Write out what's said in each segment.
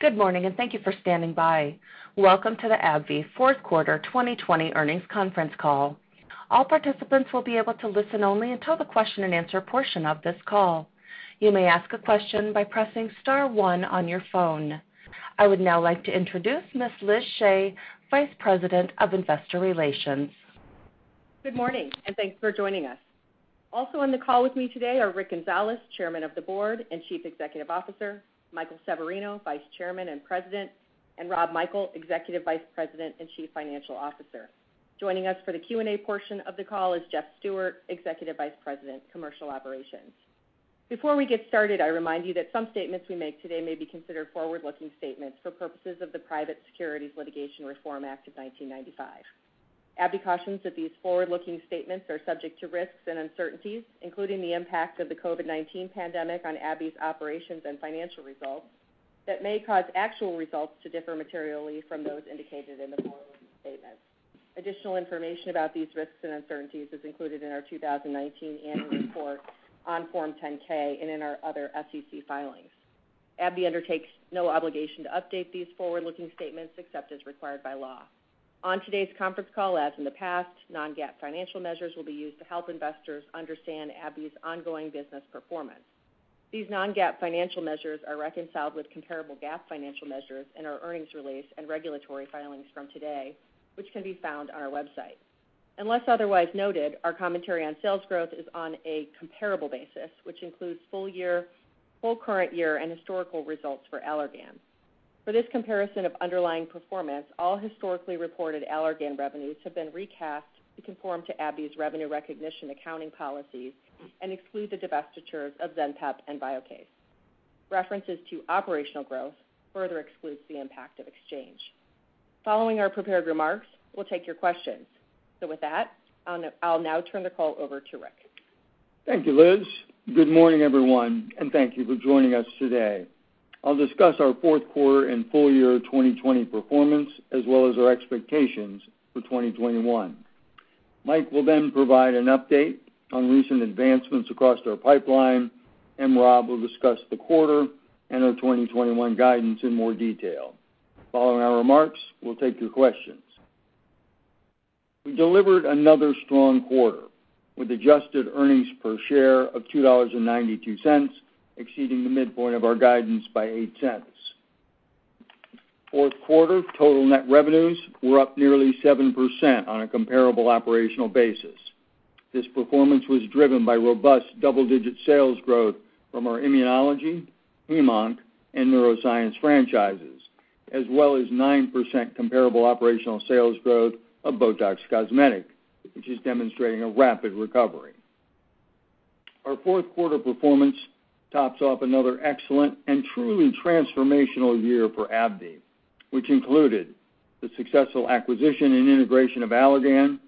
Good morning? Thank you for standing by. Welcome to the AbbVie Fourth Quarter 2020 Earnings Conference Call. All participants will be able to listen only until the question-and-answer portion of this call. You may ask a question by pressing star one on your phone. I would now like to introduce Ms. Liz Shea, Vice President of Investor Relations. Good morning, and thanks for joining us. Also on the call with me today are Rick Gonzalez, Chairman of the Board and Chief Executive Officer, Michael Severino, Vice Chairman and President, and Rob Michael, Executive Vice President and Chief Financial Officer. Joining us for the Q&A portion of the call is Jeff Stewart, Executive Vice President, Commercial Operations. Before we get started, I remind you that some statements we make today may be considered forward-looking statements for purposes of the Private Securities Litigation Reform Act of 1995. AbbVie cautions that these forward-looking statements are subject to risks and uncertainties, including the impact of the COVID-19 pandemic on AbbVie's operations and financial results that may cause actual results to differ materially from those indicated in the forward-looking statements. Additional information about these risks and uncertainties is included in our 2019 annual report on Form 10-K and in our other SEC filings. AbbVie undertakes no obligation to update these forward-looking statements except as required by law. On today's conference call, as in the past, non-GAAP financial measures will be used to help investors understand AbbVie's ongoing business performance. These non-GAAP financial measures are reconciled with comparable GAAP financial measures in our earnings release and regulatory filings from today, which can be found on our website. Unless otherwise noted, our commentary on sales growth is on a comparable basis, which includes full current year and historical results for Allergan. For this comparison of underlying performance, all historically reported Allergan revenues have been recast to conform to AbbVie's revenue recognition accounting policies and exclude the divestitures of Zenpep and VIOKACE. References to operational growth further excludes the impact of exchange. Following our prepared remarks, we'll take your questions. With that, I'll now turn the call over to Rick. Thank you, Liz. Good morning, everyone, and thank you for joining us today. I'll discuss our fourth quarter and full year 2020 performance, as well as our expectations for 2021. Mike will then provide an update on recent advancements across our pipeline. Rob will discuss the quarter and our 2021 guidance in more detail. Following our remarks, we'll take your questions. We delivered another strong quarter with adjusted earnings per share of $2.92, exceeding the midpoint of our guidance by $0.08. Fourth quarter total net revenues were up nearly 7% on a comparable operational basis. This performance was driven by robust double-digit sales growth from our immunology, Hematologic Oncology, and neuroscience franchises, as well as 9% comparable operational sales growth of BOTOX Cosmetic, which is demonstrating a rapid recovery. Our fourth quarter performance tops off another excellent and truly transformational year for AbbVie, which included the successful acquisition and integration of Allergan,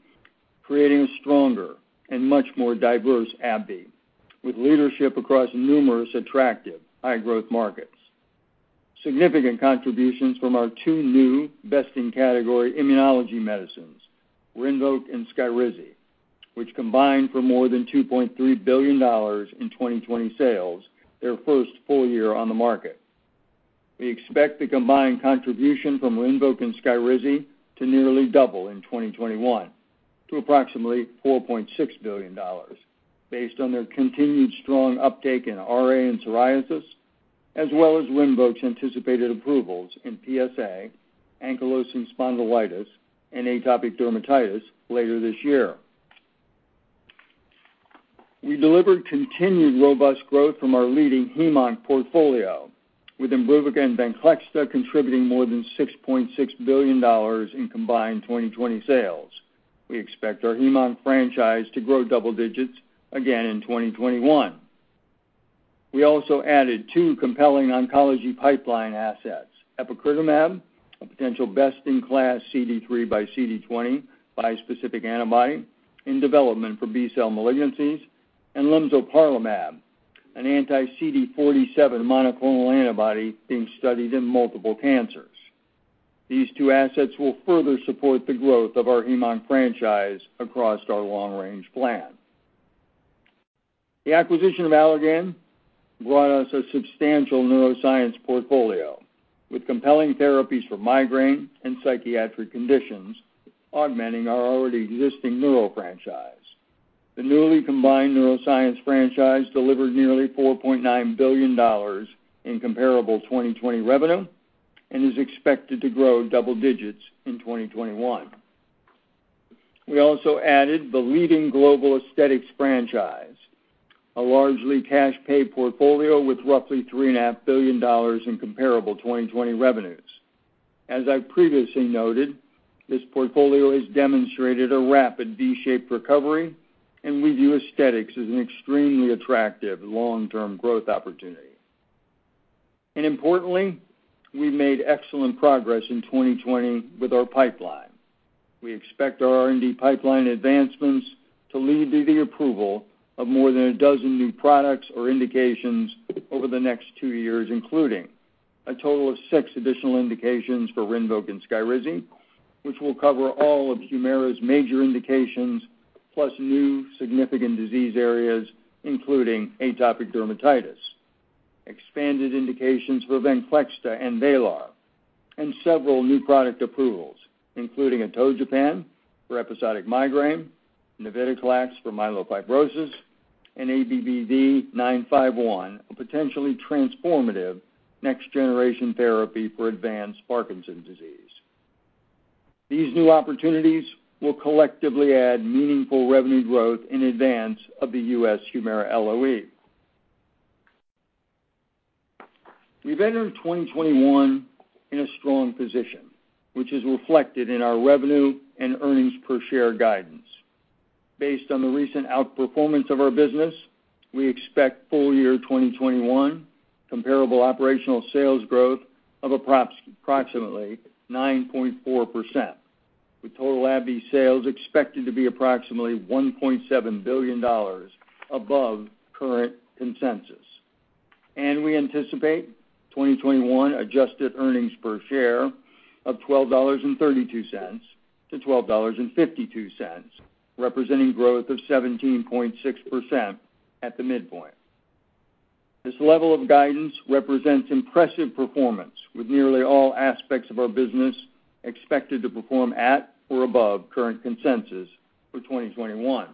creating a stronger and much more diverse AbbVie with leadership across numerous attractive high-growth markets. Significant contributions from our two new best-in-category immunology medicines, RINVOQ and SKYRIZI, which combined for more than $2.3 billion in 2020 sales, their first full year on the market. We expect the combined contribution from RINVOQ and SKYRIZI to nearly double in 2021 to approximately $4.6 billion based on their continued strong uptake in RA and psoriasis, as well as RINVOQ's anticipated approvals in PsA, ankylosing spondylitis, and atopic dermatitis later this year. We delivered continued robust growth from our leading hem-onc portfolio, with IMBRUVICA and VENCLEXTA contributing more than $6.6 billion in combined 2020 sales. We expect our hem-onc franchise to grow double digits again in 2021. We also added two compelling oncology pipeline assets: epcoritamab, a potential best-in-class CD3xCD20 bispecific antibody in development for B-cell malignancies; and lemzoparlimab, an anti-CD47 monoclonal antibody being studied in multiple cancers. These two assets will further support the growth of our hem-onc franchise across our long-range plan. The acquisition of Allergan brought us a substantial neuroscience portfolio with compelling therapies for migraine and psychiatric conditions augmenting our already existing neuro franchise. The newly combined neuroscience franchise delivered nearly $4.9 billion in comparable 2020 revenue and is expected to grow double digits in 2021. We also added the leading global aesthetics franchise, a largely cash-pay portfolio with roughly $3.5 billion in comparable 2020 revenues. As I previously noted, this portfolio has demonstrated a rapid V-shaped recovery, and we view aesthetics as an extremely attractive long-term growth opportunity. Importantly, we made excellent progress in 2020 with our pipeline. We expect our R&D pipeline advancements to lead to the approval of more than 12 new products or indications over the next two years, including a total of six additional indications for RINVOQ and SKYRIZI, which will cover all of HUMIRA's major indications, plus new significant disease areas, including atopic dermatitis, expanded indications for VENCLEXTA and VRAYLAR, and several new product approvals, including atogepant for episodic migraine, navitoclax for myelofibrosis, and ABBV-951, a potentially transformative next-generation therapy for advanced Parkinson's disease. These new opportunities will collectively add meaningful revenue growth in advance of the U.S. HUMIRA LOE. We've entered 2021 in a strong position, which is reflected in our revenue and earnings per share guidance. Based on the recent outperformance of our business, we expect full-year 2021 comparable operational sales growth of approximately 9.4%, with total AbbVie sales expected to be approximately $1.7 billion above current consensus. We anticipate 2021 adjusted earnings per share of $12.32-$12.52, representing growth of 17.6% at the midpoint. This level of guidance represents impressive performance, with nearly all aspects of our business expected to perform at or above current consensus for 2021.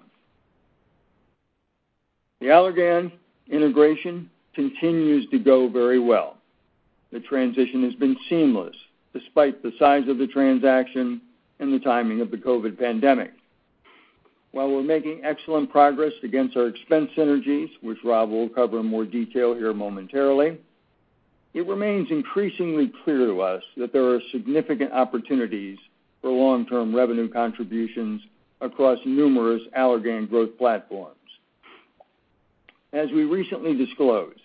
The Allergan integration continues to go very well. The transition has been seamless despite the size of the transaction and the timing of the COVID pandemic. While we're making excellent progress against our expense synergies, which Rob will cover in more detail here momentarily, it remains increasingly clear to us that there are significant opportunities for long-term revenue contributions across numerous Allergan growth platforms. As we recently disclosed,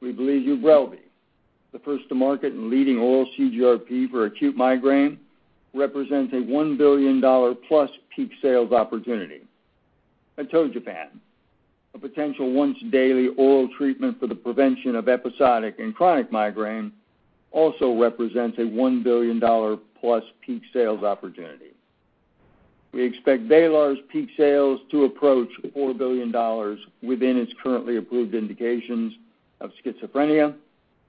we believe UBRELVY, the first to market and leading oral CGRP for acute migraine, represents a $1 billion-plus peak sales opportunity. Atogepant, a potential once-daily oral treatment for the prevention of episodic and chronic migraine, also represents a $1 billion-plus peak sales opportunity. We expect VRAYLAR's peak sales to approach $4 billion within its currently approved indications of schizophrenia,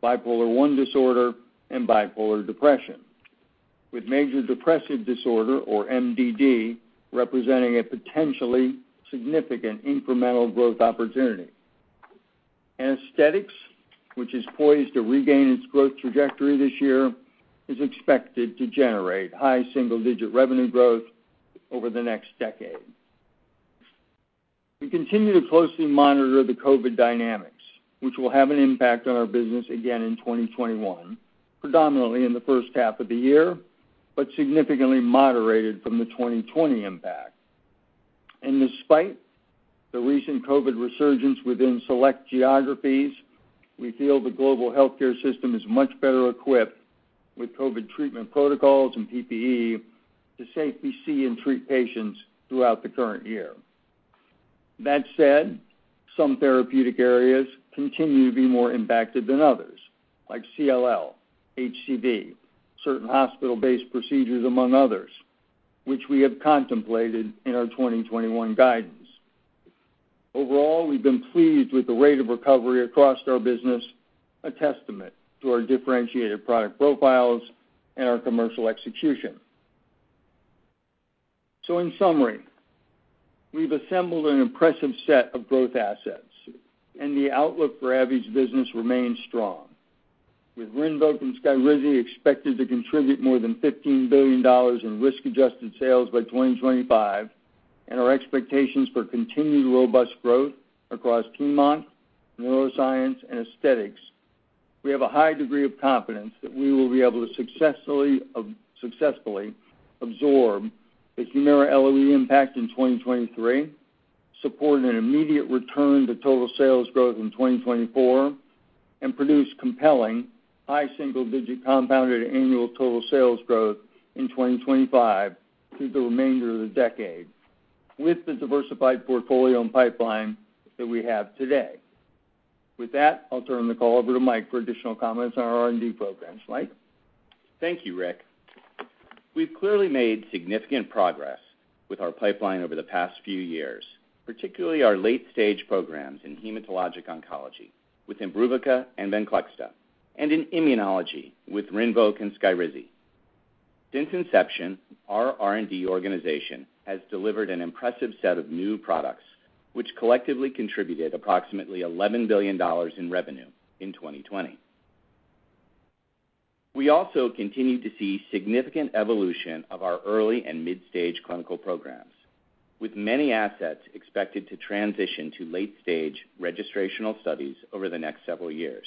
bipolar I disorder, and bipolar depression, with major depressive disorder or MDD representing a potentially significant incremental growth opportunity. Aesthetics, which is poised to regain its growth trajectory this year, is expected to generate high single-digit revenue growth over the next decade. We continue to closely monitor the COVID dynamics, which will have an impact on our business again in 2021, predominantly in the first half of the year, significantly moderated from the 2020 impact. Despite the recent COVID resurgence within select geographies, we feel the global healthcare system is much better equipped with COVID treatment protocols and PPE to safely see and treat patients throughout the current year. Some therapeutic areas continue to be more impacted than others, like CLL, HCV, certain hospital-based procedures, among others, which we have contemplated in our 2021 guidance. Overall, we've been pleased with the rate of recovery across our business, a testament to our differentiated product profiles and our commercial execution. In summary, we've assembled an impressive set of growth assets, and the outlook for AbbVie's business remains strong. With RINVOQ and SKYRIZI expected to contribute more than $15 billion in risk-adjusted sales by 2025, and our expectations for continued robust growth across Hem-Onc, Neuroscience, and Aesthetics, we have a high degree of confidence that we will be able to successfully absorb the HUMIRA LOE impact in 2023, support an immediate return to total sales growth in 2024, and produce compelling high single-digit compounded annual total sales growth in 2025 through the remainder of the decade with the diversified portfolio and pipeline that we have today. With that, I'll turn the call over to Mike for additional comments on our R&D programs. Mike? Thank you, Rick. We've clearly made significant progress with our pipeline over the past few years, particularly our late-stage programs in Hematologic Oncology with IMBRUVICA and VENCLEXTA, and in immunology with RINVOQ and SKYRIZI. Since inception, our R&D organization has delivered an impressive set of new products, which collectively contributed approximately $11 billion in revenue in 2020. We also continue to see significant evolution of our early and mid-stage clinical programs, with many assets expected to transition to late-stage registrational studies over the next several years.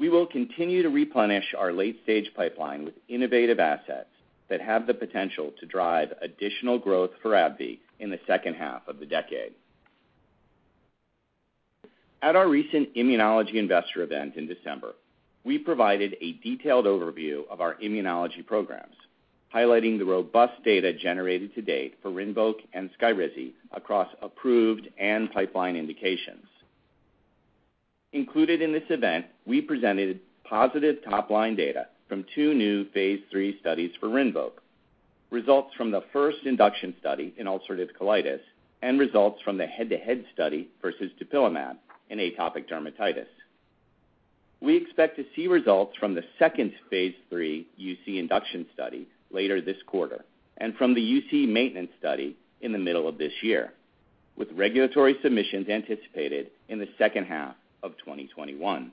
We will continue to replenish our late-stage pipeline with innovative assets that have the potential to drive additional growth for AbbVie in the second half of the decade. At our recent Immunology Investor event in December, we provided a detailed overview of our immunology programs, highlighting the robust data generated to date for RINVOQ and SKYRIZI across approved and pipeline indications. Included in this event, we presented positive top-line data from two new phase III studies for RINVOQ, results from the first induction study in ulcerative colitis, and results from the head-to-head study versus dupilumab in atopic dermatitis. We expect to see results from the second phase III UC induction study later this quarter and from the UC maintenance study in the middle of this year, with regulatory submissions anticipated in the second half of 2021.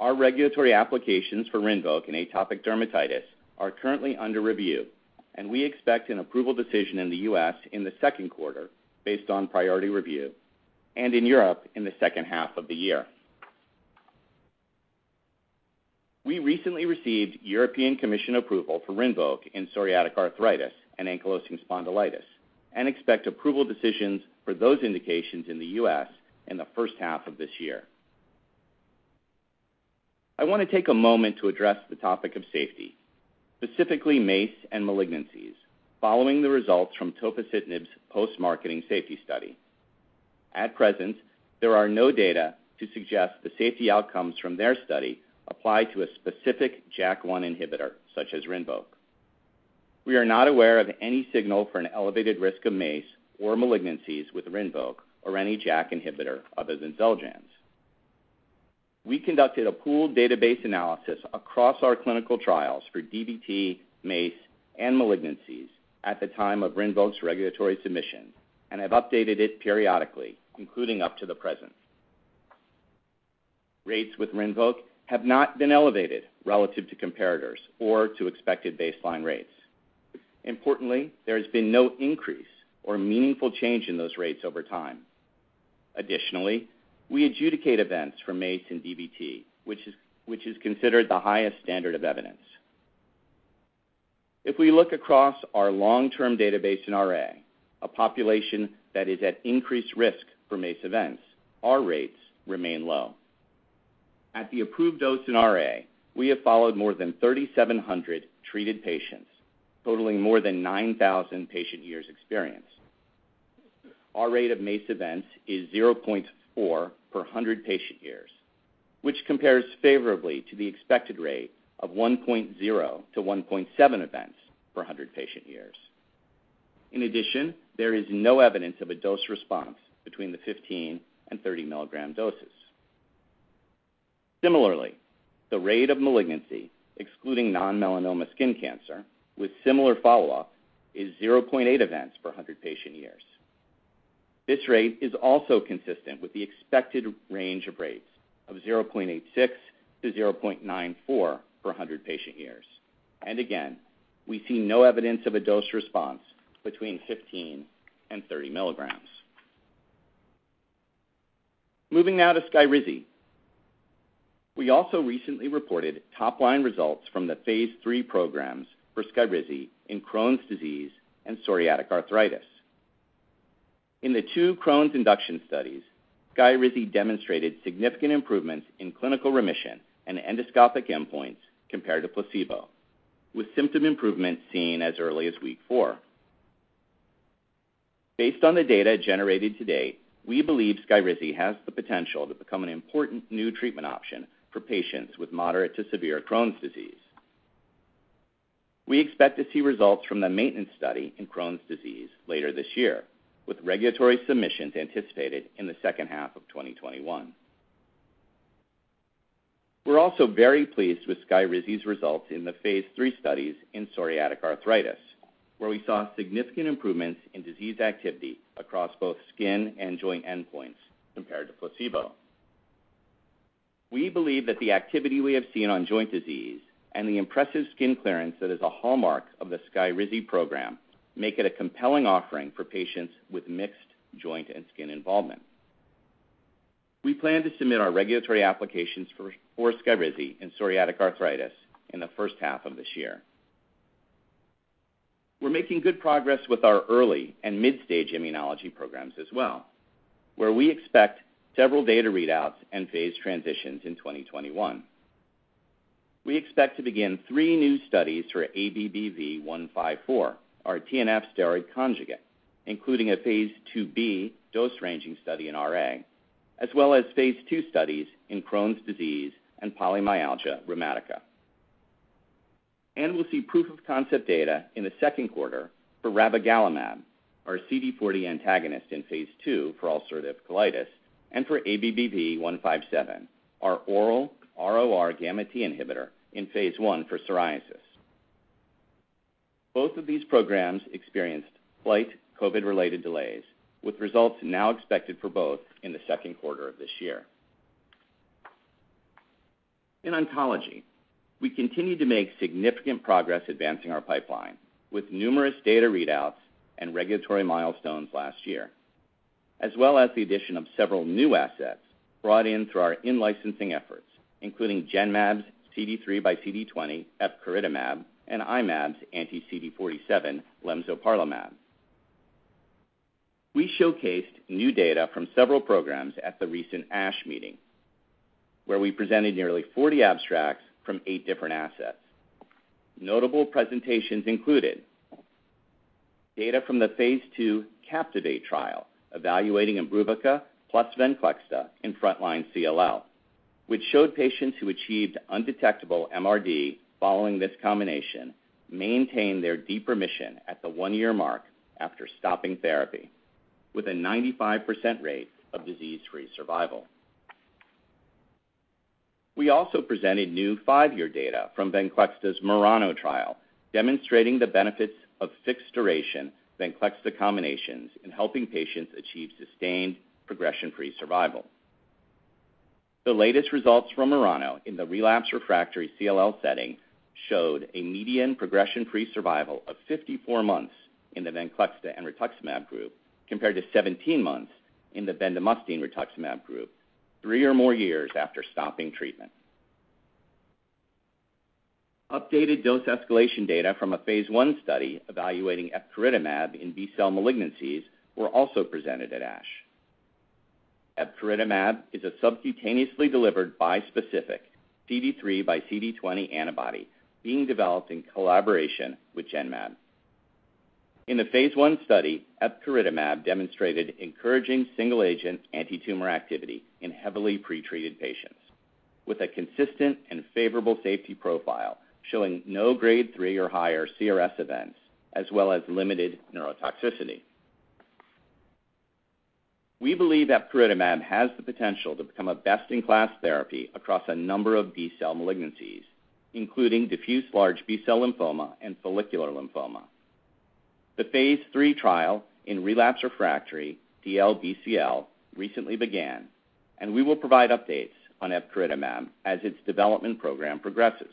Our regulatory applications for RINVOQ in atopic dermatitis are currently under review, and we expect an approval decision in the U.S. in the second quarter based on priority review, and in Europe in the second half of the year. We recently received European Commission approval for RINVOQ in psoriatic arthritis and ankylosing spondylitis and expect approval decisions for those indications in the U.S. in the first half of this year. I want to take a moment to address the topic of safety, specifically MACE and malignancies, following the results from tofacitinib's post-marketing safety study. At present, there are no data to suggest the safety outcomes from their study apply to a specific JAK1 inhibitor, such as RINVOQ. We are not aware of any signal for an elevated risk of MACE or malignancies with RINVOQ or any JAK inhibitor other than Xeljanz. We conducted a pooled database analysis across our clinical trials for DVT, MACE, and malignancies at the time of RINVOQ's regulatory submission and have updated it periodically, including up to the present. Rates with RINVOQ have not been elevated relative to comparators or to expected baseline rates. Importantly, there has been no increase or meaningful change in those rates over time. Additionally, we adjudicate events for MACE and DVT, which is considered the highest standard of evidence. If we look across our long-term database in RA, a population that is at increased risk for MACE events, our rates remain low. At the approved dose in RA, we have followed more than 3,700 treated patients, totaling more than 9,000 patient years experience. Our rate of MACE events is 0.4 per 100 patient years, which compares favorably to the expected rate of 1.0-1.7 events per 100 patient years. In addition, there is no evidence of a dose response between the 15 mg and 30 mg doses. Similarly, the rate of malignancy, excluding non-melanoma skin cancer, with similar follow-up, is 0.8 events per 100 patient years. This rate is also consistent with the expected range of rates of 0.86-0.94 per 100 patient years. Again, we see no evidence of a dose response between 15 mg and 30 mg. Moving now to SKYRIZI. We also recently reported top-line results from the phase III programs for SKYRIZI in Crohn's disease and psoriatic arthritis. In the two Crohn's induction studies, SKYRIZI demonstrated significant improvements in clinical remission and endoscopic endpoints compared to placebo, with symptom improvement seen as early as week four. Based on the data generated to date, we believe SKYRIZI has the potential to become an important new treatment option for patients with moderate to severe Crohn's disease. We expect to see results from the maintenance study in Crohn's disease later this year, with regulatory submissions anticipated in the second half of 2021. We're also very pleased with SKYRIZI's results in the phase III studies in psoriatic arthritis, where we saw significant improvements in disease activity across both skin and joint endpoints compared to placebo. We believe that the activity we have seen on joint disease and the impressive skin clearance that is a hallmark of the SKYRIZI program make it a compelling offering for patients with mixed joint and skin involvement. We plan to submit our regulatory applications for SKYRIZI in psoriatic arthritis in the first half of this year. We're making good progress with our early and mid-stage immunology programs as well, where we expect several data readouts and phase transitions in 2021. We expect to begin three new studies for ABBV-154, our TNF steroid conjugate, including a phase II-B dose-ranging study in RA, as well as phase II studies in Crohn's disease and polymyalgia rheumatica. We'll see proof of concept data in the second quarter for ravagalimab, our CD40 antagonist in phase II for ulcerative colitis, and for ABBV-157, our oral RORγt inhibitor in phase I for psoriasis. Both of these programs experienced slight COVID-related delays, with results now expected for both in the second quarter of this year. In oncology, we continue to make significant progress advancing our pipeline with numerous data readouts and regulatory milestones last year, as well as the addition of several new assets brought in through our in-licensing efforts, including Genmab's CD3xCD20 epcoritamab and I-Mab's anti-CD47 lemzoparlimab. We showcased new data from several programs at the recent ASH meeting, where we presented nearly 40 abstracts from eight different assets. Notable presentations included. Data from the phase II CAPTIVATE trial evaluating IMBRUVICA plus VENCLEXTA in frontline CLL, which showed patients who achieved undetectable MRD following this combination maintained their deep remission at the one-year mark after stopping therapy, with a 95% rate of disease-free survival. We also presented new five-year data from VENCLEXTA's MURANO trial demonstrating the benefits of fixed-duration VENCLEXTA combinations in helping patients achieve sustained progression-free survival. The latest results from MURANO in the relapse/refractory CLL setting showed a median progression-free survival of 54 months in the VENCLEXTA and rituximab group, compared to 17 months in the bendamustine rituximab group three or more years after stopping treatment. Updated dose escalation data from a phase I study evaluating epcoritamab in B-cell malignancies were also presented at ASH. Epcoritamab is a subcutaneously delivered bispecific CD3 by CD20 antibody being developed in collaboration with Genmab. In the Phase I study, epcoritamab demonstrated encouraging single-agent antitumor activity in heavily pretreated patients with a consistent and favorable safety profile, showing no Grade III or higher CRS events as well as limited neurotoxicity. We believe epcoritamab has the potential to become a best-in-class therapy across a number of B-cell malignancies, including diffuse large B-cell lymphoma and follicular lymphoma. The Phase III trial in relapse/refractory DLBCL recently began, and we will provide updates on epcoritamab as its development program progresses.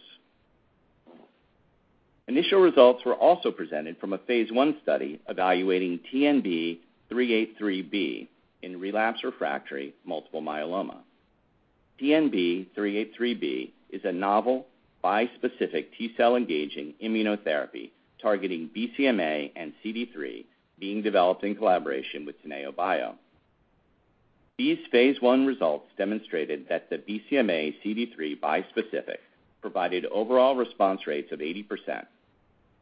Initial results were also presented from a Phase I study evaluating TNB-383B in relapse/refractory multiple myeloma. TNB-383B is a novel bispecific T-cell engaging immunotherapy targeting BCMA and CD3 being developed in collaboration with Teneobio. These Phase I results demonstrated that the BCMA x CD3 bispecific provided overall response rates of 80%,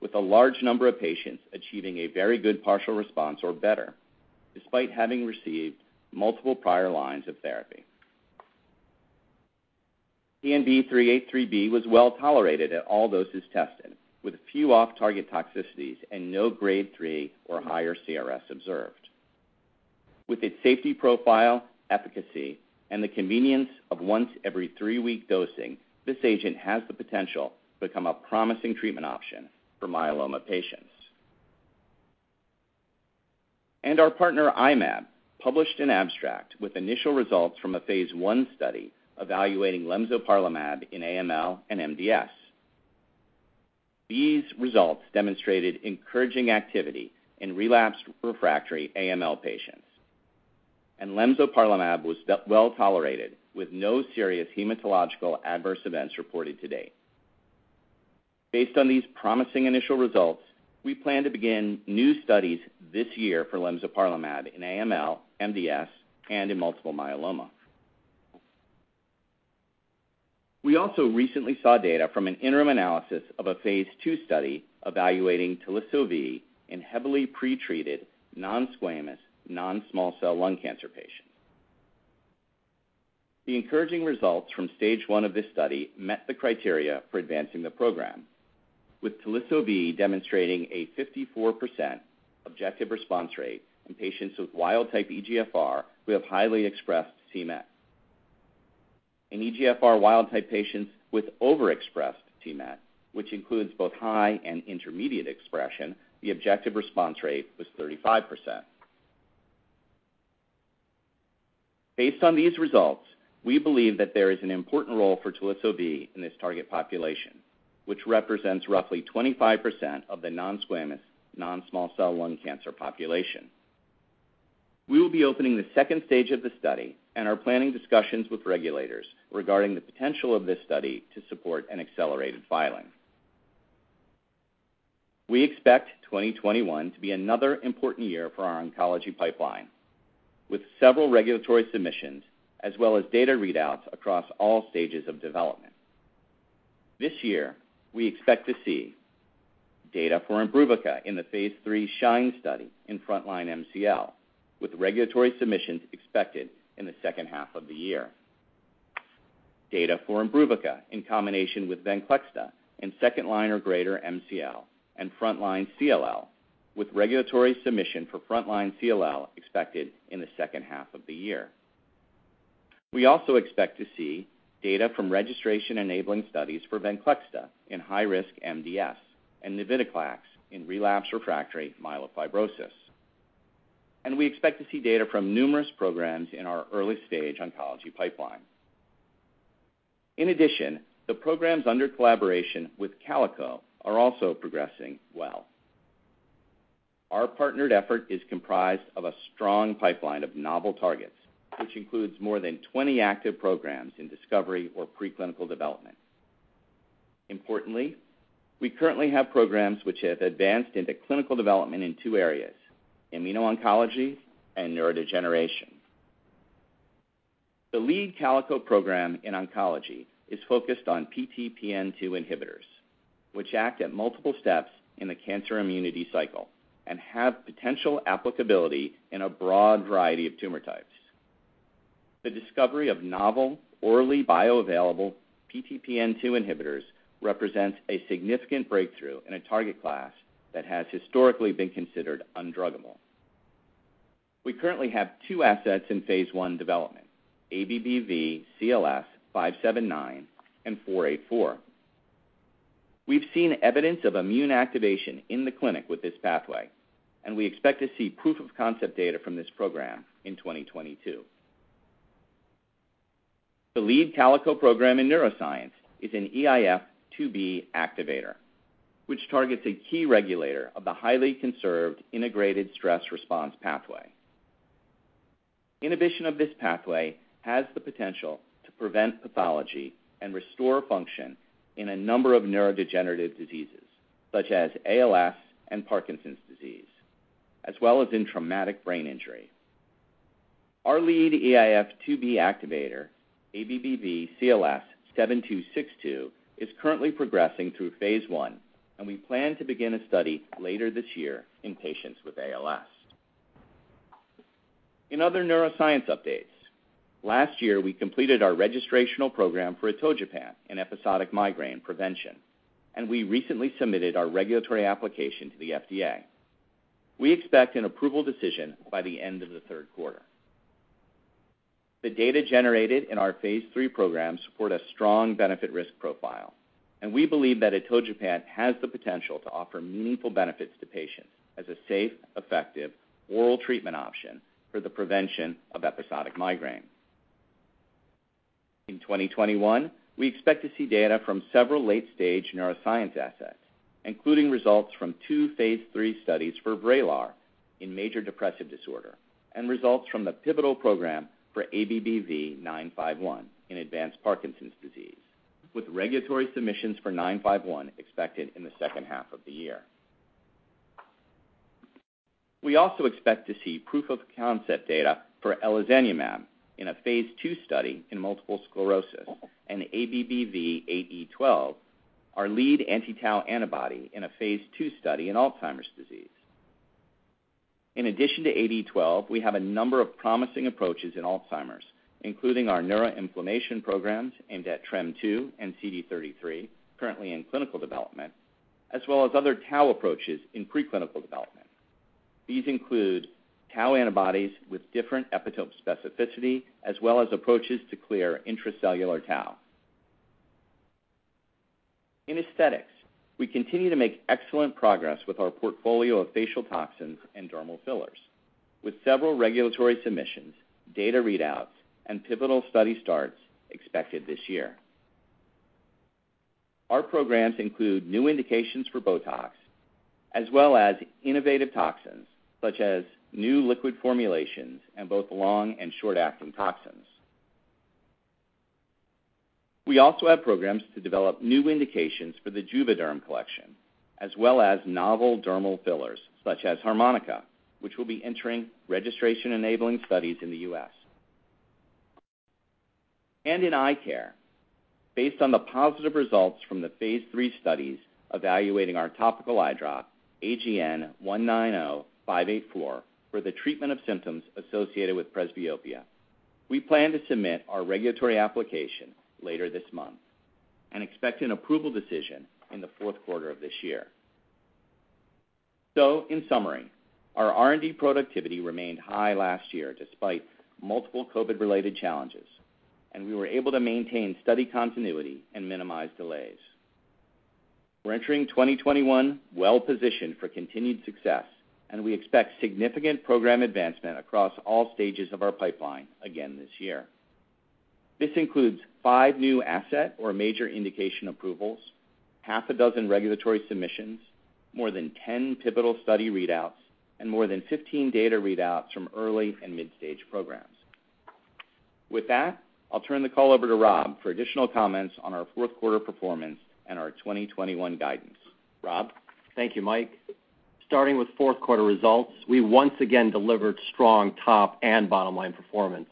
with a large number of patients achieving a very good partial response or better, despite having received multiple prior lines of therapy. TNB-383B was well-tolerated at all doses tested, with few off-target toxicities and no Grade 3 or higher CRS observed. With its safety profile, efficacy, and the convenience of once every three-week dosing, this agent has the potential to become a promising treatment option for myeloma patients. Our partner, I-Mab, published an abstract with initial results from a Phase I study evaluating lemzoparlimab in AML and MDS. These results demonstrated encouraging activity in relapsed refractory AML patients, and lemzoparlimab was well-tolerated, with no serious hematological adverse events reported to date. Based on these promising initial results, we plan to begin new studies this year for lemzoparlimab in AML, MDS, and in multiple myeloma. We also recently saw data from an interim analysis of a phase II study evaluating Teliso-V in heavily pretreated non-squamous, non-small cell lung cancer patients. The encouraging results from Stage 1 of this study met the criteria for advancing the program, with Teliso-V demonstrating a 54% objective response rate in patients with wild-type EGFR who have highly expressed c-Met. In EGFR wild-type patients with overexpressed c-Met, which includes both high and intermediate expression, the objective response rate was 35%. Based on these results, we believe that there is an important role for Teliso-V in this target population, which represents roughly 25% of the non-squamous, non-small cell lung cancer population. We will be opening the stage II of the study and are planning discussions with regulators regarding the potential of this study to support an accelerated filing. We expect 2021 to be another important year for our oncology pipeline, with several regulatory submissions as well as data readouts across all stages of development. This year, we expect to see data for IMBRUVICA in the phase III SHINE study in frontline MCL, with regulatory submissions expected in the second half of the year. Data for IMBRUVICA in combination with VENCLEXTA in second-line or greater MCL and frontline CLL, with regulatory submission for frontline CLL expected in the second half of the year. We also expect to see data from registration-enabling studies for VENCLEXTA in high-risk MDS and navitoclax in relapse/refractory myelofibrosis. We expect to see data from numerous programs in our early-stage oncology pipeline. In addition, the programs under collaboration with Calico are also progressing well. Our partnered effort is comprised of a strong pipeline of novel targets, which includes more than 20 active programs in discovery or preclinical development. Importantly, we currently have programs which have advanced into clinical development in two areas: immuno-oncology and neurodegeneration. The lead Calico program in oncology is focused on PTPN2 inhibitors, which act at multiple steps in the cancer immunity cycle and have potential applicability in a broad variety of tumor types. The discovery of novel orally bioavailable PTPN2 inhibitors represents a significant breakthrough in a target class that has historically been considered undruggable. We currently have two assets in phase I development, ABBV-CLS-579 and ABBV-CLS-484. We've seen evidence of immune activation in the clinic with this pathway, and we expect to see proof of concept data from this program in 2022. The lead Calico program in neuroscience is an eIF2B activator, which targets a key regulator of the highly conserved integrated stress response pathway. Inhibition of this pathway has the potential to prevent pathology and restore function in a number of neurodegenerative diseases, such as ALS and Parkinson's disease, as well as in traumatic brain injury. Our lead eIF2B activator, ABBV-CLS-7262, is currently progressing through phase I, and we plan to begin a study later this year in patients with ALS. In other neuroscience updates, last year, we completed our registrational program for atogepant in episodic migraine prevention, and we recently submitted our regulatory application to the FDA. We expect an approval decision by the end of the third quarter. The data generated in our phase III programs support a strong benefit-risk profile. We believe that atogepant has the potential to offer meaningful benefits to patients as a safe, effective oral treatment option for the prevention of episodic migraine. In 2021, we expect to see data from several late-stage neuroscience assets, including results from two phase III studies for VRAYLAR in major depressive disorder and results from the pivotal program for ABBV-951 in advanced Parkinson's disease, with regulatory submissions for 951 expected in the second half of the year. We also expect to see proof of concept data for elezanumab in a phase II study in multiple sclerosis and ABBV-8E12, our lead anti-tau antibody, in a phase II study in Alzheimer's disease. In addition to ABBV-8E12, we have a number of promising approaches in Alzheimer's, including our neuroinflammation programs aimed at TREM2 and CD33, currently in clinical development, as well as other tau approaches in preclinical development. These include tau antibodies with different epitope specificity, as well as approaches to clear intracellular tau. In aesthetics, we continue to make excellent progress with our portfolio of facial toxins and dermal fillers, with several regulatory submissions, data readouts, and pivotal study starts expected this year. Our programs include new indications for BOTOX, as well as innovative toxins such as new liquid formulations and both long and short-acting toxins. We also have programs to develop new indications for the JUVÉDERM collection, as well as novel dermal fillers such as HArmonyCa, which will be entering registration-enabling studies in the U.S. In eye care, based on the positive results from the phase III studies evaluating our topical eye drop, AGN-190584, for the treatment of symptoms associated with presbyopia, we plan to submit our regulatory application later this month and expect an approval decision in the fourth quarter of this year. In summary, our R&D productivity remained high last year despite multiple COVID-related challenges, and we were able to maintain study continuity and minimize delays. We're entering 2021 well-positioned for continued success, and we expect significant program advancement across all stages of our pipeline again this year. This includes five new asset or major indication approvals, half a dozen regulatory submissions, more than 10 pivotal study readouts, and more than 15 data readouts from early and mid-stage programs. With that, I'll turn the call over to Rob for additional comments on our fourth quarter performance and our 2021 guidance. Rob? Thank you, Mike. Starting with fourth quarter results, we once again delivered strong top and bottom line performance.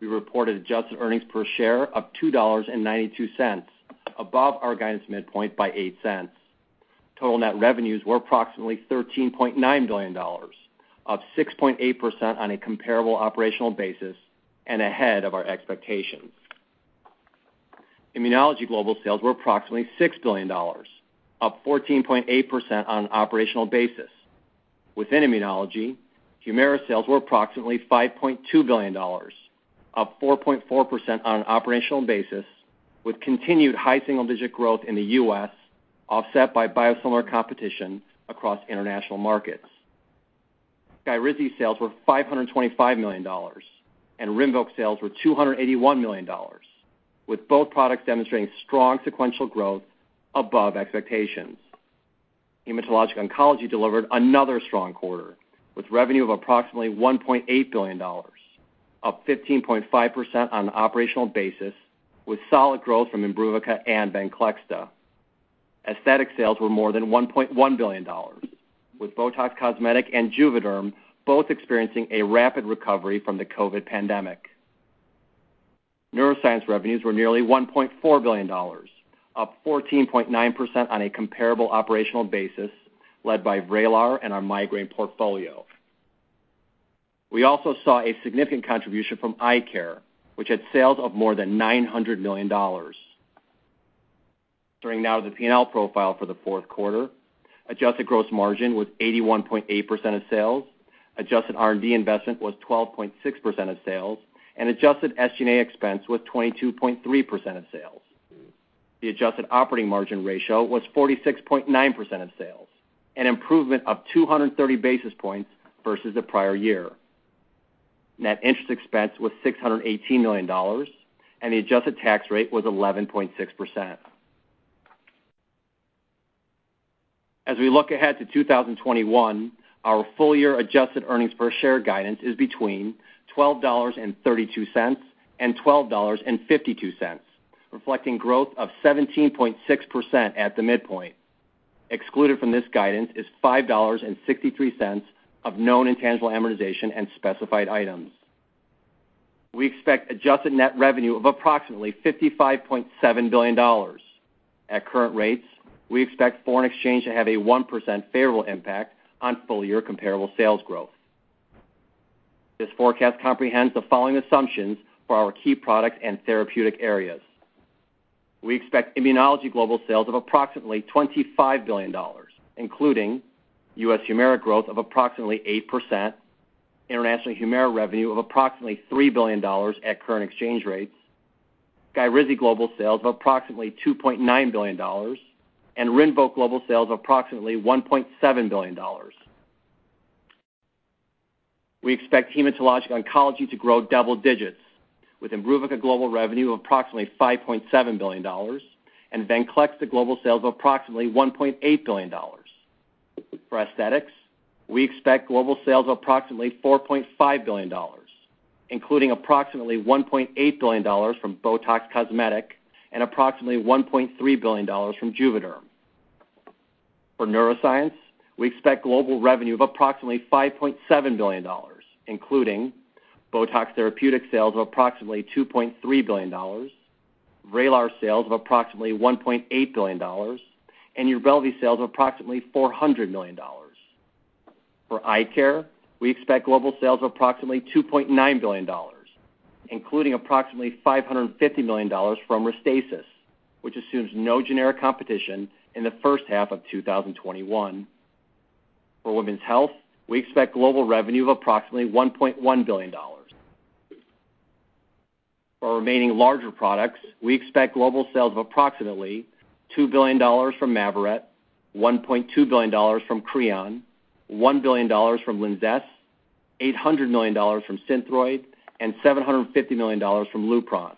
We reported adjusted earnings per share of $2.92, above our guidance midpoint by $0.08. Total net revenues were approximately $13.9 billion, up 6.8% on a comparable operational basis and ahead of our expectations. Immunology global sales were approximately $6 billion, up 14.8% on an operational basis. Within immunology, HUMIRA sales were approximately $5.2 billion, up 4.4% on an operational basis, with continued high single-digit growth in the U.S. offset by biosimilar competition across international markets. SKYRIZI sales were $525 million, RINVOQ sales were $281 million, with both products demonstrating strong sequential growth above expectations. Hematologic oncology delivered another strong quarter, with revenue of approximately $1.8 billion, up 15.5% on an operational basis, with solid growth from IMBRUVICA and VENCLEXTA. Aesthetic sales were more than $1.1 billion, with BOTOX Cosmetic and JUVÉDERM both experiencing a rapid recovery from the COVID-19 pandemic. Neuroscience revenues were nearly $1.4 billion, up 14.9% on a comparable operational basis, led by VRAYLAR and our migraine portfolio. We also saw a significant contribution from eye care, which had sales of more than $900 million. Turning now to the P&L profile for the fourth quarter, adjusted gross margin was 81.8% of sales, adjusted R&D investment was 12.6% of sales, and adjusted SG&A expense was 22.3% of sales. The adjusted operating margin ratio was 46.9% of sales, an improvement of 230 basis points versus the prior year. Net interest expense was $618 million, and the adjusted tax rate was 11.6%. As we look ahead to 2021, our full-year adjusted earnings per share guidance is between $12.32 and $12.52, reflecting growth of 17.6% at the midpoint. Excluded from this guidance is $5.63 of known intangible amortization and specified items. We expect adjusted net revenue of approximately $55.7 billion. At current rates, we expect foreign exchange to have a 1% favorable impact on full-year comparable sales growth. This forecast comprehends the following assumptions for our key product and therapeutic areas. We expect immunology global sales of approximately $25 billion, including U.S. HUMIRA growth of approximately 8%, international HUMIRA revenue of approximately $3 billion at current exchange rates, SKYRIZI global sales of approximately $2.9 billion, and RINVOQ global sales of approximately $1.7 billion. We expect Hematologic Oncology to grow double digits with IMBRUVICA global revenue of approximately $5.7 billion and VENCLEXTA global sales of approximately $1.8 billion. For aesthetics, we expect global sales of approximately $4.5 billion, including approximately $1.8 billion from BOTOX Cosmetic and approximately $1.3 billion from JUVÉDERM. For neuroscience, we expect global revenue of approximately $5.7 billion, including BOTOX Therapeutic sales of approximately $2.3 billion, VRAYLAR sales of approximately $1.8 billion, and UBRELVY sales of approximately $400 million. For eye care, we expect global sales of approximately $2.9 billion, including approximately $550 million from RESTASIS, which assumes no generic competition in the first half of 2021. For women's health, we expect global revenue of approximately $1.1 billion. For our remaining larger products, we expect global sales of approximately $2 billion from MAVYRET, $1.2 billion from CREON, $1 billion from LINZESS, $800 million from SYNTHROID, and $750 million from LUPRON.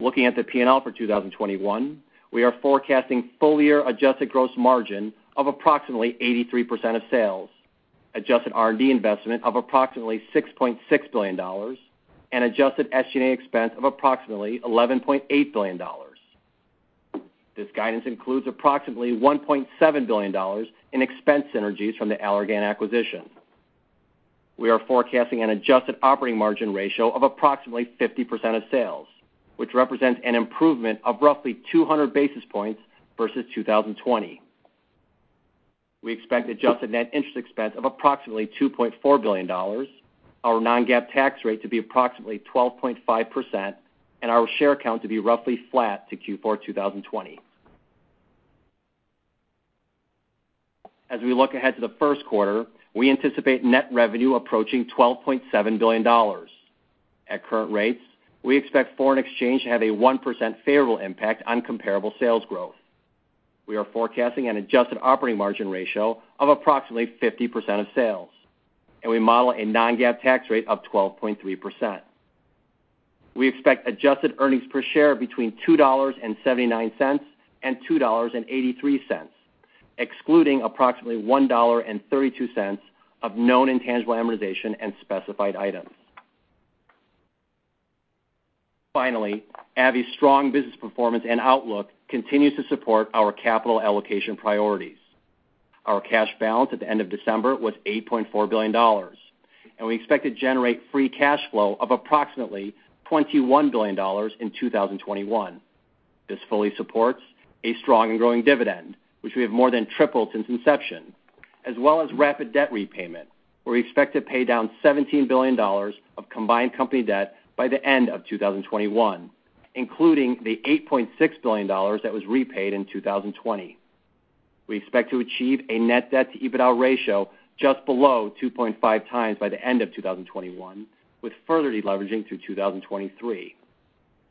Looking at the P&L for 2021, we are forecasting full-year adjusted gross margin of approximately 83% of sales, adjusted R&D investment of approximately $6.6 billion, and adjusted SG&A expense of approximately $11.8 billion. This guidance includes approximately $1.7 billion in expense synergies from the Allergan acquisition. We are forecasting an adjusted operating margin ratio of approximately 50% of sales, which represents an improvement of roughly 200 basis points versus 2020. We expect adjusted net interest expense of approximately $2.4 billion, our non-GAAP tax rate to be approximately 12.5%, and our share count to be roughly flat to Q4 2020. As we look ahead to the first quarter, we anticipate net revenue approaching $12.7 billion. At current rates, we expect foreign exchange to have a 1% favorable impact on comparable sales growth. We are forecasting an adjusted operating margin ratio of approximately 50% of sales, and we model a non-GAAP tax rate of 12.3%. We expect adjusted earnings per share between $2.79 and $2.83, excluding approximately $1.32 of known intangible amortization and specified items. Finally, AbbVie's strong business performance and outlook continues to support our capital allocation priorities. Our cash balance at the end of December was $8.4 billion, and we expect to generate free cash flow of approximately $21 billion in 2021. This fully supports a strong and growing dividend, which we have more than tripled since inception, as well as rapid debt repayment, where we expect to pay down $17 billion of combined company debt by the end of 2021, including the $8.6 billion that was repaid in 2020. We expect to achieve a net debt-to-EBITDA ratio just below 2.5x by the end of 2021, with further deleveraging through 2023.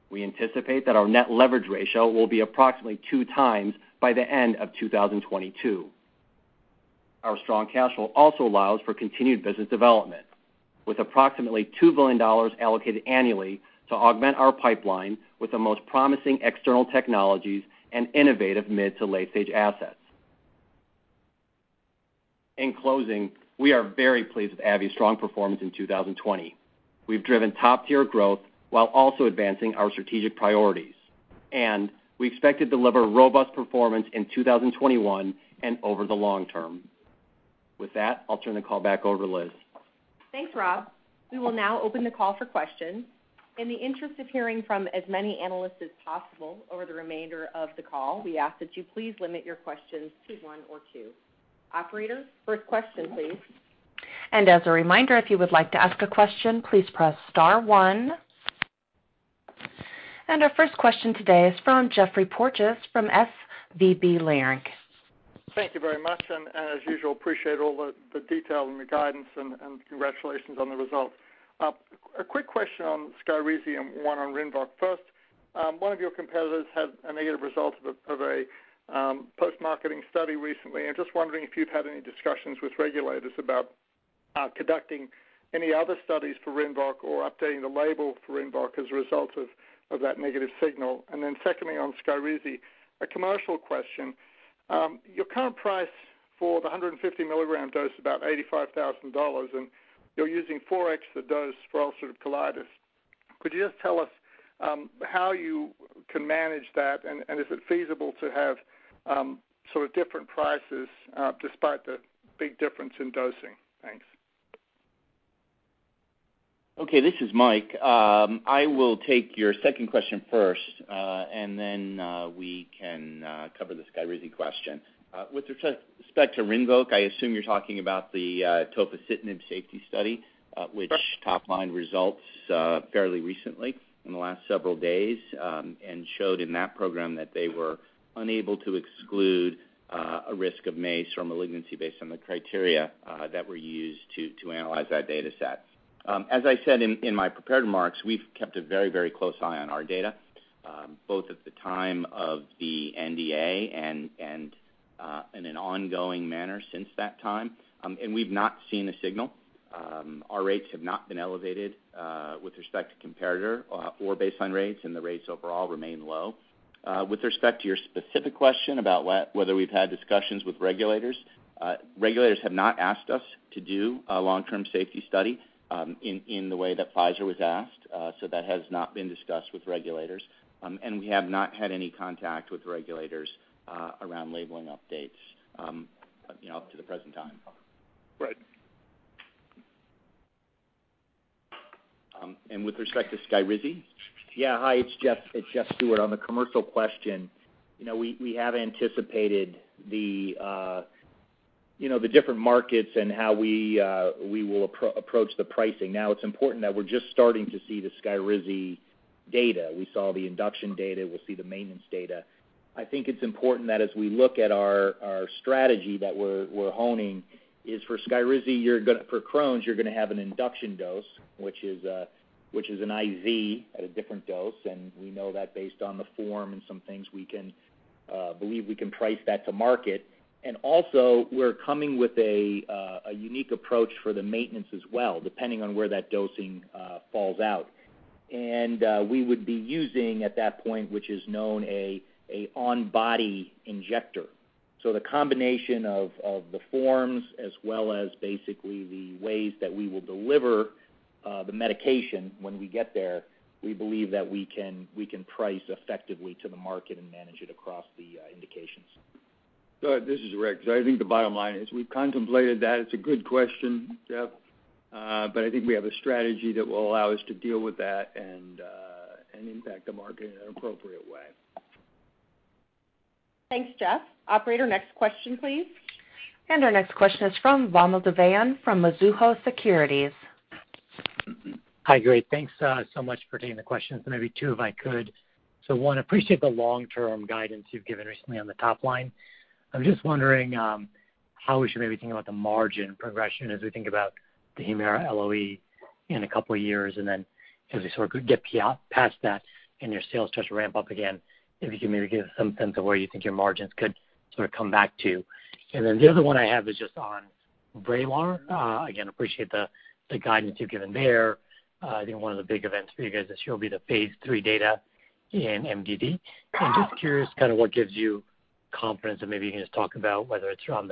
We anticipate that our net leverage ratio will be approximately 2x by the end of 2022. Our strong cash flow also allows for continued business development, with approximately $2 billion allocated annually to augment our pipeline with the most promising external technologies and innovative mid to late-stage assets. In closing, we are very pleased with AbbVie's strong performance in 2020. We've driven top-tier growth while also advancing our strategic priorities. We expect to deliver robust performance in 2021 and over the long term. With that, I'll turn the call back over to Liz. Thanks, Rob. We will now open the call for questions. In the interest of hearing from as many analysts as possible over the remainder of the call, we ask that you please limit your questions to one or two. Operator, first question please. As a reminder, if you would like to ask a question, please press star one. Our first question today is from Geoffrey Porges from SVB Leerink. Thank you very much. As usual, appreciate all the detail and the guidance. Congratulations on the results. A quick question on SKYRIZI and one on RINVOQ. First, one of your competitors had a negative result of a post-marketing study recently. I'm just wondering if you've had any discussions with regulators about conducting any other studies for RINVOQ or updating the label for RINVOQ as a result of that negative signal. Secondly, on SKYRIZI, a commercial question. Your current price for the 150 mg dose is about $85,000. You're using 4x the dose for ulcerative colitis. Could you just tell us how you can manage that? Is it feasible to have different prices despite the big difference in dosing? Thanks. Okay. This is Mike. I will take your second question first, and then we can cover the SKYRIZI question. With respect to RINVOQ, I assume you're talking about the tofacitinib safety study which top-lined results fairly recently in the last several days, showed in that program that they were unable to exclude a risk of MACE or malignancy based on the criteria that were used to analyze that data set. As I said in my prepared remarks, we've kept a very, very close eye on our data, both at the time of the NDA and in an ongoing manner since that time. We've not seen a signal. Our rates have not been elevated with respect to comparator or baseline rates, the rates overall remain low. With respect to your specific question about whether we've had discussions with regulators have not asked us to do a long-term safety study in the way that Pfizer was asked. That has not been discussed with regulators. We have not had any contact with regulators around labeling updates up to the present time. Right. And with respect to SKYRIZI- Yeah. Hi, it's Jeff Stewart. On the commercial question, we have anticipated the different markets and how we will approach the pricing. Now, it's important that we're just starting to see the SKYRIZI data. We saw the induction data, we'll see the maintenance data. I think it's important that as we look at our strategy that we're honing is for SKYRIZI, for Crohn's, you're going to have an induction dose, which is an IV at a different dose. We know that based on the form and some things we believe we can price that to market. Also, we're coming with a unique approach for the maintenance as well, depending on where that dosing falls out. We would be using, at that point, which is known, an on-body injector. The combination of the forms as well as the ways that we will deliver the medication when we get there, we believe that we can price effectively to the market and manage it across the indications. Good. This is Rick. I think the bottom line is we've contemplated that. It's a good question, Jeff. I think we have a strategy that will allow us to deal with that and impact the market in an appropriate way. Thanks, Jeff. Operator, next question, please. Our next question is from Vamil Divan, from Mizuho Securities. Hi? Great. Thanks so much for taking the questions, and maybe two if I could. One, appreciate the long-term guidance you've given recently on the top line. I'm just wondering how we should maybe think about the margin progression as we think about the HUMIRA LOE in a couple of years, and then as we sort of get past that and your sales start to ramp up again, if you could maybe give some sense of where you think your margins could sort of come back to. The other one I have is just on VRAYLAR. Again, appreciate the guidance you've given there. I think one of the big events for you guys this year will be the phase III data in MDD. Just curious kind of what gives you confidence, and maybe you can just talk about whether it's around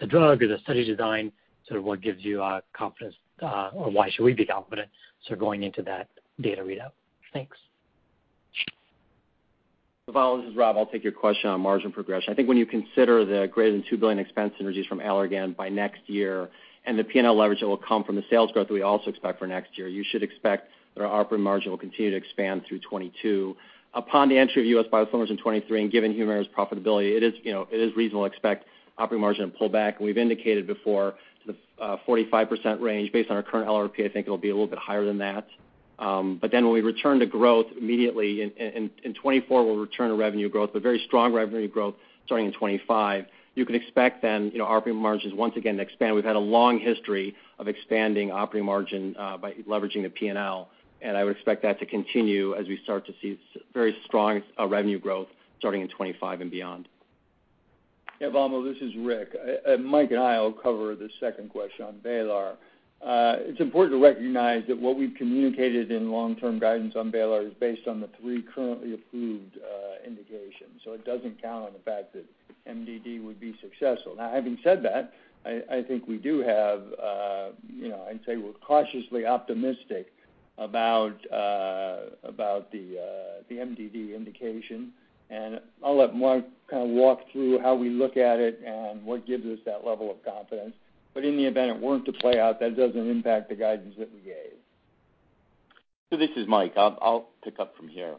the drug or the study design, sort of what gives you confidence, or why should we be confident sort of going into that data readout? Thanks. Vamil, this is Rob. I'll take your question on margin progression. When you consider the greater than $2 billion expense synergies from Allergan by next year and the P&L leverage that will come from the sales growth that we also expect for next year, you should expect that our operating margin will continue to expand through 2022. Upon the entry of U.S. biosimilars in 2023 and given HUMIRA's profitability, it is reasonable to expect operating margin to pull back. We've indicated before, to the 45% range based on our current LRP, it'll be a little bit higher than that. When we return to growth immediately in 2024, we'll return to revenue growth, but very strong revenue growth starting in 2025. You can expect then operating margins once again to expand. We've had a long history of expanding operating margin by leveraging the P&L, and I would expect that to continue as we start to see very strong revenue growth starting in 2025 and beyond. Yeah, Vamil, this is Rick. Mike and I will cover the second question on VRAYLAR. It's important to recognize that what we've communicated in long-term guidance on VRAYLAR is based on the three currently approved indication. It doesn't count on the fact that MDD would be successful. Now, having said that, I think I'd say we're cautiously optimistic about the MDD indication. I'll let Mike walk through how we look at it and what gives us that level of confidence. In the event it weren't to play out, that doesn't impact the guidance that we gave. This is Mike. I'll pick up from here.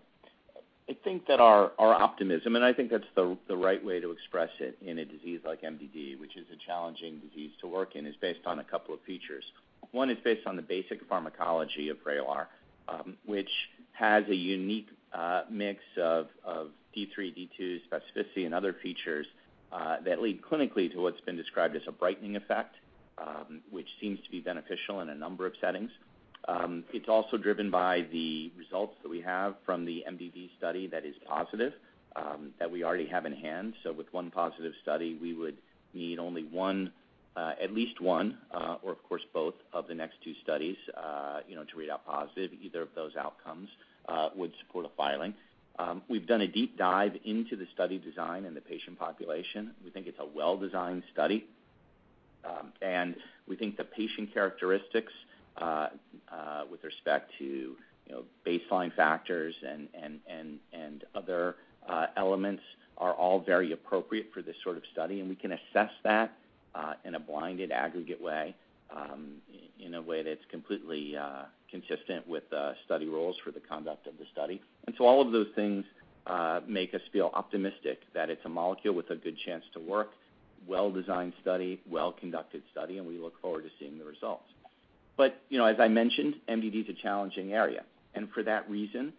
I think that our optimism, and I think that's the right way to express it in a disease like MDD, which is a challenging disease to work in, is based on a couple of features. One is based on the basic pharmacology of VRAYLAR, which has a unique mix of D3, D2 specificity and other features that lead clinically to what's been described as a brightening effect, which seems to be beneficial in a number of settings. It's also driven by the results that we have from the MDD study that is positive that we already have in hand. With one positive study, we would need only at least one, or of course both, of the next two studies to read out positive. Either of those outcomes would support a filing. We've done a deep dive into the study design and the patient population. We think it's a well-designed study. We think the patient characteristics, with respect to baseline factors and other elements are all very appropriate for this sort of study, and we can assess that in a blinded aggregate way, in a way that's completely consistent with study rules for the conduct of the study. All of those things make us feel optimistic that it's a molecule with a good chance to work, well-designed study, well-conducted study, and we look forward to seeing the results. As I mentioned, MDD's a challenging area. For that reason,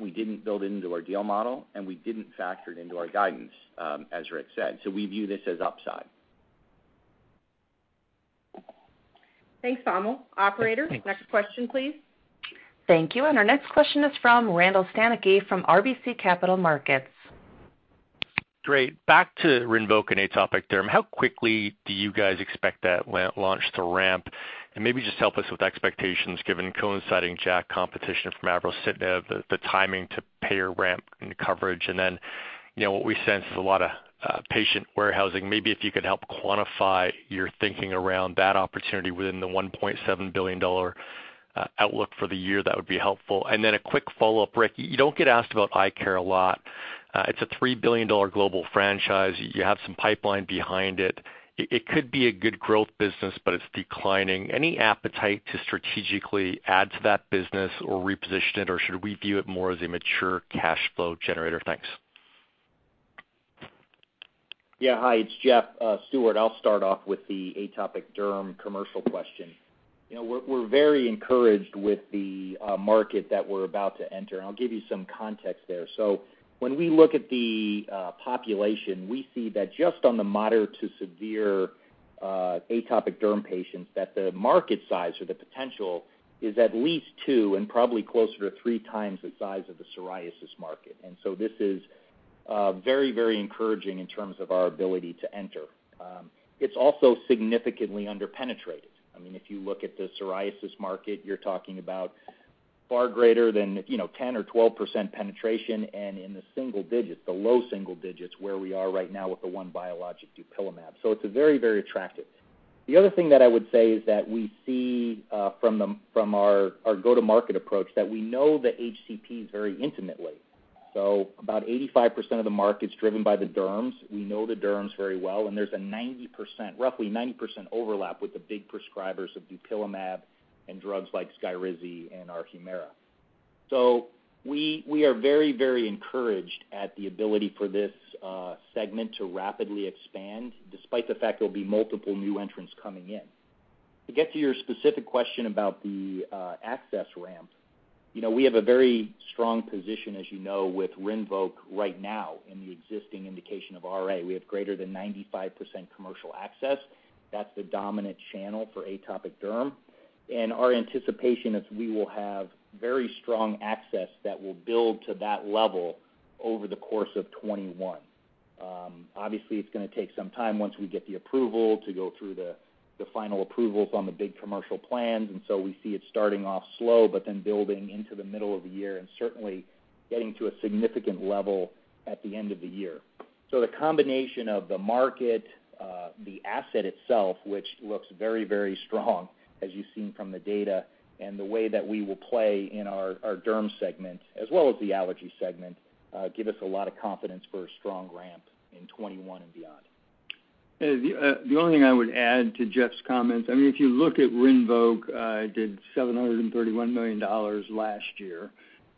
we didn't build it into our deal model, and we didn't factor it into our guidance, as Rick said. We view this as upside. Thanks, Vamil. Operator, next question, please. Thank you. Our next question is from Randall Stanicky from RBC Capital Markets. Great. Back to RINVOQ and atopic derm. How quickly do you guys expect that launch to ramp? Maybe just help us with expectations given coinciding JAK competition from abrocitinib, the timing to payer ramp and coverage, and then what we sense is a lot of patient warehousing. Maybe if you could help quantify your thinking around that opportunity within the $1.7 billion outlook for the year, that would be helpful. Then a quick follow-up, Rick. You don't get asked about eye care a lot. It's a $3 billion global franchise. You have some pipeline behind it. It could be a good growth business, but it's declining. Any appetite to strategically add to that business or reposition it, or should we view it more as a mature cash flow generator? Thanks. Hi, it's Jeff Stewart. I'll start off with the atopic derm commercial question. We're very encouraged with the market that we're about to enter, and I'll give you some context there. When we look at the population, we see that just on the moderate to severe atopic derm patients, that the market size or the potential is at least two and probably closer to 3x the size of the psoriasis market. This is very encouraging in terms of our ability to enter. It's also significantly under-penetrated. If you look at the psoriasis market, you're talking about far greater than 10% or 12% penetration and in the single digits, the low single digits where we are right now with the one biologic, dupilumab. It's very attractive. The other thing that I would say is that we see from our go-to-market approach that we know the HCPs very intimately. About 85% of the market's driven by the derms. We know the derms very well, and there's a roughly 90% overlap with the big prescribers of dupilumab and drugs like SKYRIZI and our HUMIRA. We are very encouraged at the ability for this segment to rapidly expand, despite the fact there'll be multiple new entrants coming in. To get to your specific question about the access ramp. We have a very strong position, as you know, with RINVOQ right now in the existing indication of RA. We have greater than 95% commercial access. That's the dominant channel for atopic derm. Our anticipation is we will have very strong access that will build to that level over the course of 2021. Obviously, it's going to take some time once we get the approval to go through the final approvals on the big commercial plans. We see it starting off slow, but then building into the middle of the year and certainly getting to a significant level at the end of the year. The combination of the market, the asset itself, which looks very strong, as you've seen from the data, and the way that we will play in our derm segment, as well as the allergy segment, give us a lot of confidence for a strong ramp in 2021 and beyond. The only thing I would add to Jeff's comments, if you look at RINVOQ, it did $731 million last year.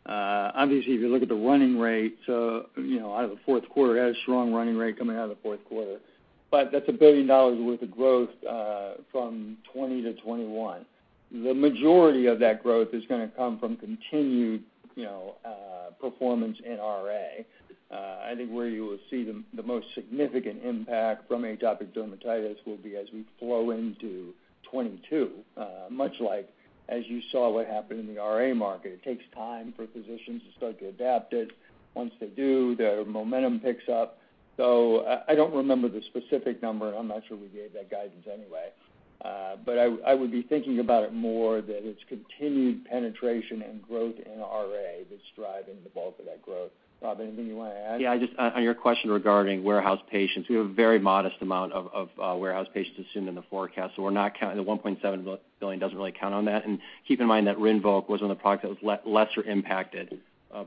Obviously, if you look at the running rates out of the fourth quarter, it had a strong running rate coming out of the fourth quarter. That's $1 billion worth of growth from 2020 to 2021. The majority of that growth is going to come from continued performance in RA. I think where you will see the most significant impact from atopic dermatitis will be as we flow into 2022, much like as you saw what happened in the RA market. It takes time for physicians to start to adapt it. Once they do, their momentum picks up. I don't remember the specific number. I'm not sure we gave that guidance anyway. I would be thinking about it more that it's continued penetration and growth in RA that's driving the bulk of that growth. Rob, anything you want to add? Yeah, just on your question regarding warehouse patients, we have a very modest amount of warehouse patients assumed in the forecast. The $1.7 billion doesn't really count on that. Keep in mind that RINVOQ was on the product that was lesser impacted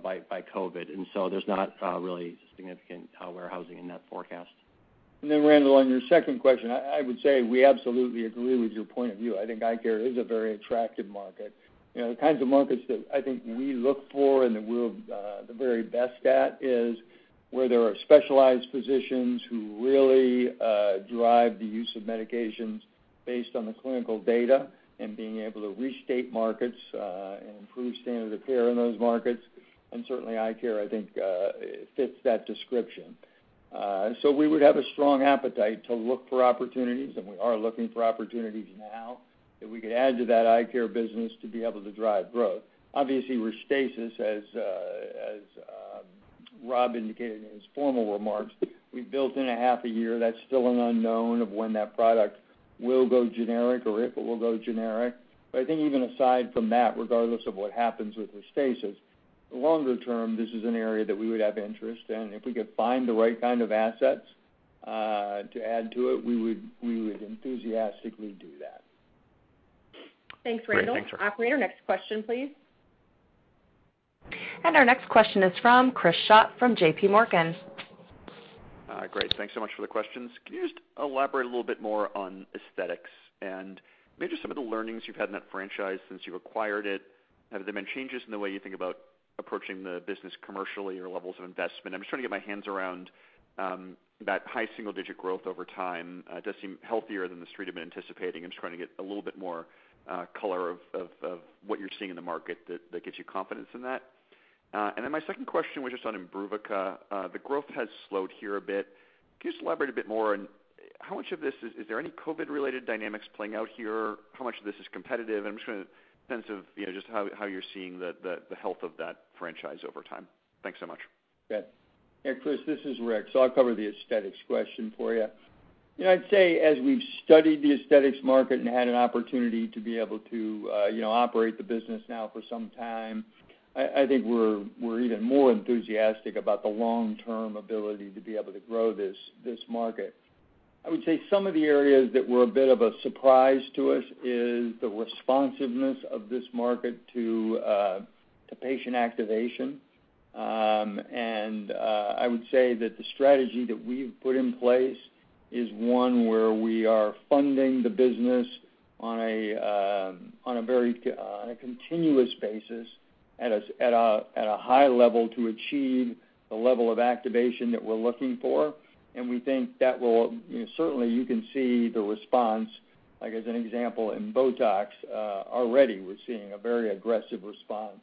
by COVID, and so there's not really significant warehousing in that forecast. Randall, on your second question, I would say we absolutely agree with your point of view. I think eye care is a very attractive market. The kinds of markets that I think we look for and that we're the very best at is where there are specialized physicians who really drive the use of medications based on the clinical data and being able to restate markets, and improve standard of care in those markets. Certainly, eye care, I think fits that description. We would have a strong appetite to look for opportunities, and we are looking for opportunities now that we could add to that eye care business to be able to drive growth. Obviously, with RESTASIS, as Rob indicated in his formal remarks, we built in a half a year. That's still an unknown of when that product will go generic or if it will go generic. I think even aside from that, regardless of what happens with RESTASIS, longer term, this is an area that we would have interest in. If we could find the right kind of assets to add to it, we would enthusiastically do that. Thanks, Randall. Great. Thanks. Operator, next question, please. Our next question is from Chris Schott from JPMorgan. Great. Thanks so much for the questions. Can you just elaborate a little bit more on aesthetics and maybe some of the learnings you've had in that franchise since you acquired it? Have there been changes in the way you think about approaching the business commercially or levels of investment? I'm just trying to get my hands around that high single-digit growth over time. It does seem healthier than the street had been anticipating. I'm just trying to get a little bit more color of what you're seeing in the market that gives you confidence in that. My second question was just on IMBRUVICA. The growth has slowed here a bit. Can you just elaborate a bit more on how much of this is there any COVID-related dynamics playing out here? How much of this is competitive? I'm just trying to get a sense of just how you're seeing the health of that franchise over time. Thanks so much. Yeah. Chris, this is Rick, I'll cover the aesthetics question for you. I'd say as we've studied the aesthetics market and had an opportunity to be able to operate the business now for some time, I think we're even more enthusiastic about the long-term ability to be able to grow this market. I would say some of the areas that were a bit of a surprise to us is the responsiveness of this market to patient activation. I would say that the strategy that we've put in place is one where we are funding the business on a very continuous basis at a high level to achieve the level of activation that we're looking for. We think that will, certainly you can see the response, like as an example, in BOTOX, already we're seeing a very aggressive response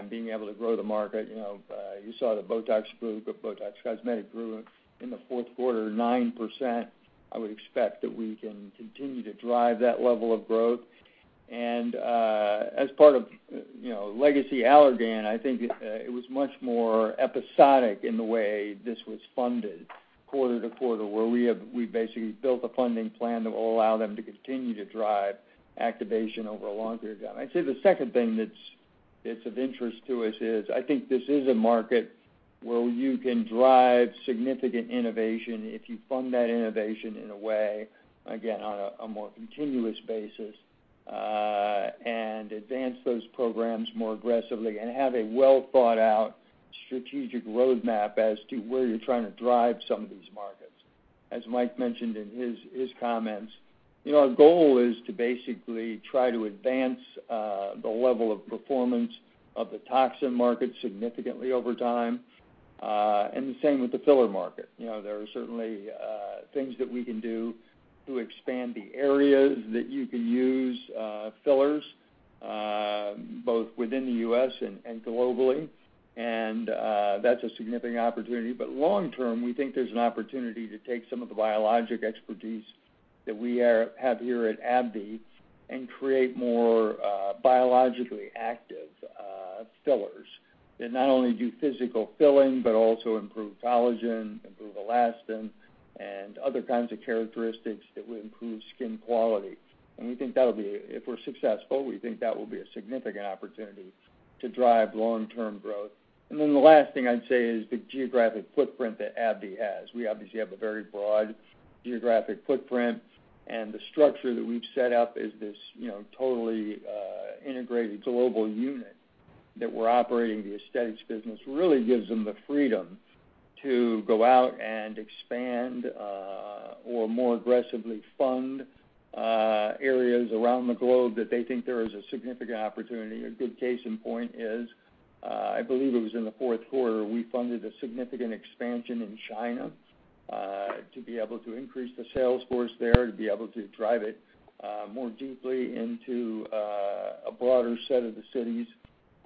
in being able to grow the market. You saw that BOTOX Cosmetic grew in the fourth quarter 9%. I would expect that we can continue to drive that level of growth. As part of legacy Allergan, I think it was much more episodic in the way this was funded quarter-to-quarter, where we basically built a funding plan that will allow them to continue to drive activation over a long period of time. I'd say the second thing that's of interest to us is I think this is a market where you can drive significant innovation if you fund that innovation in a way, again, on a more continuous basis, and advance those programs more aggressively and have a well-thought-out strategic roadmap as to where you're trying to drive some of these markets. As Mike mentioned in his comments, our goal is to basically try to advance the level of performance of the toxin market significantly over time, and the same with the filler market. There are certainly things that we can do to expand the areas that you can use fillers, both within the U.S. and globally. That's a significant opportunity. Long term, we think there's an opportunity to take some of the biologic expertise that we have here at AbbVie and create more biologically active fillers that not only do physical filling, but also improve collagen, improve elastin, and other kinds of characteristics that will improve skin quality. If we're successful, we think that will be a significant opportunity to drive long-term growth. The last thing I'd say is the geographic footprint that AbbVie has. We obviously have a very broad geographic footprint, and the structure that we've set up is this totally integrated global unit that we're operating the Aesthetics business really gives them the freedom to go out and expand or more aggressively fund areas around the globe that they think there is a significant opportunity. A good case in point is, I believe it was in the fourth quarter, we funded a significant expansion in China to be able to increase the sales force there, to be able to drive it more deeply into a broader set of the cities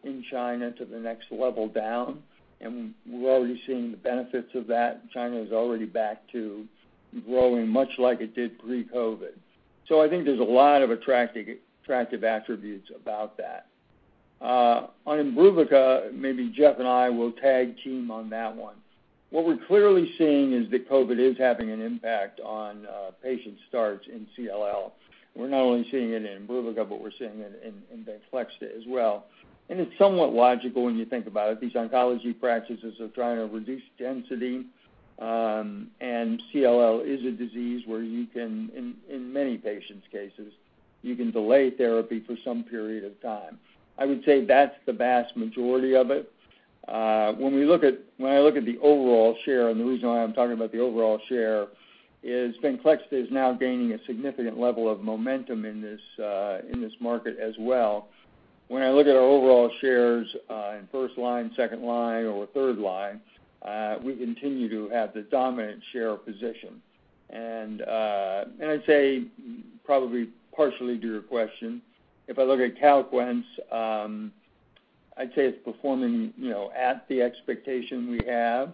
in China to the next level down. We're already seeing the benefits of that. China is already back to growing much like it did pre-COVID. I think there's a lot of attractive attributes about that. On IMBRUVICA, maybe Jeff and I will tag team on that one. What we're clearly seeing is that COVID is having an impact on patient starts in CLL. We're not only seeing it in IMBRUVICA, but we're seeing it in VENCLEXTA as well. It's somewhat logical when you think about it. These oncology practices are trying to reduce density, and CLL is a disease where you can, in many patients' cases, you can delay therapy for some period of time. I would say that's the vast majority of it. When I look at the overall share, and the reason why I'm talking about the overall share is VENCLEXTA is now gaining a significant level of momentum in this market as well. When I look at our overall shares in first-line, second-line or third-line, we continue to have the dominant share position. I'd say, probably partially to your question, if I look at CALQUENCE, I'd say it's performing at the expectation we have.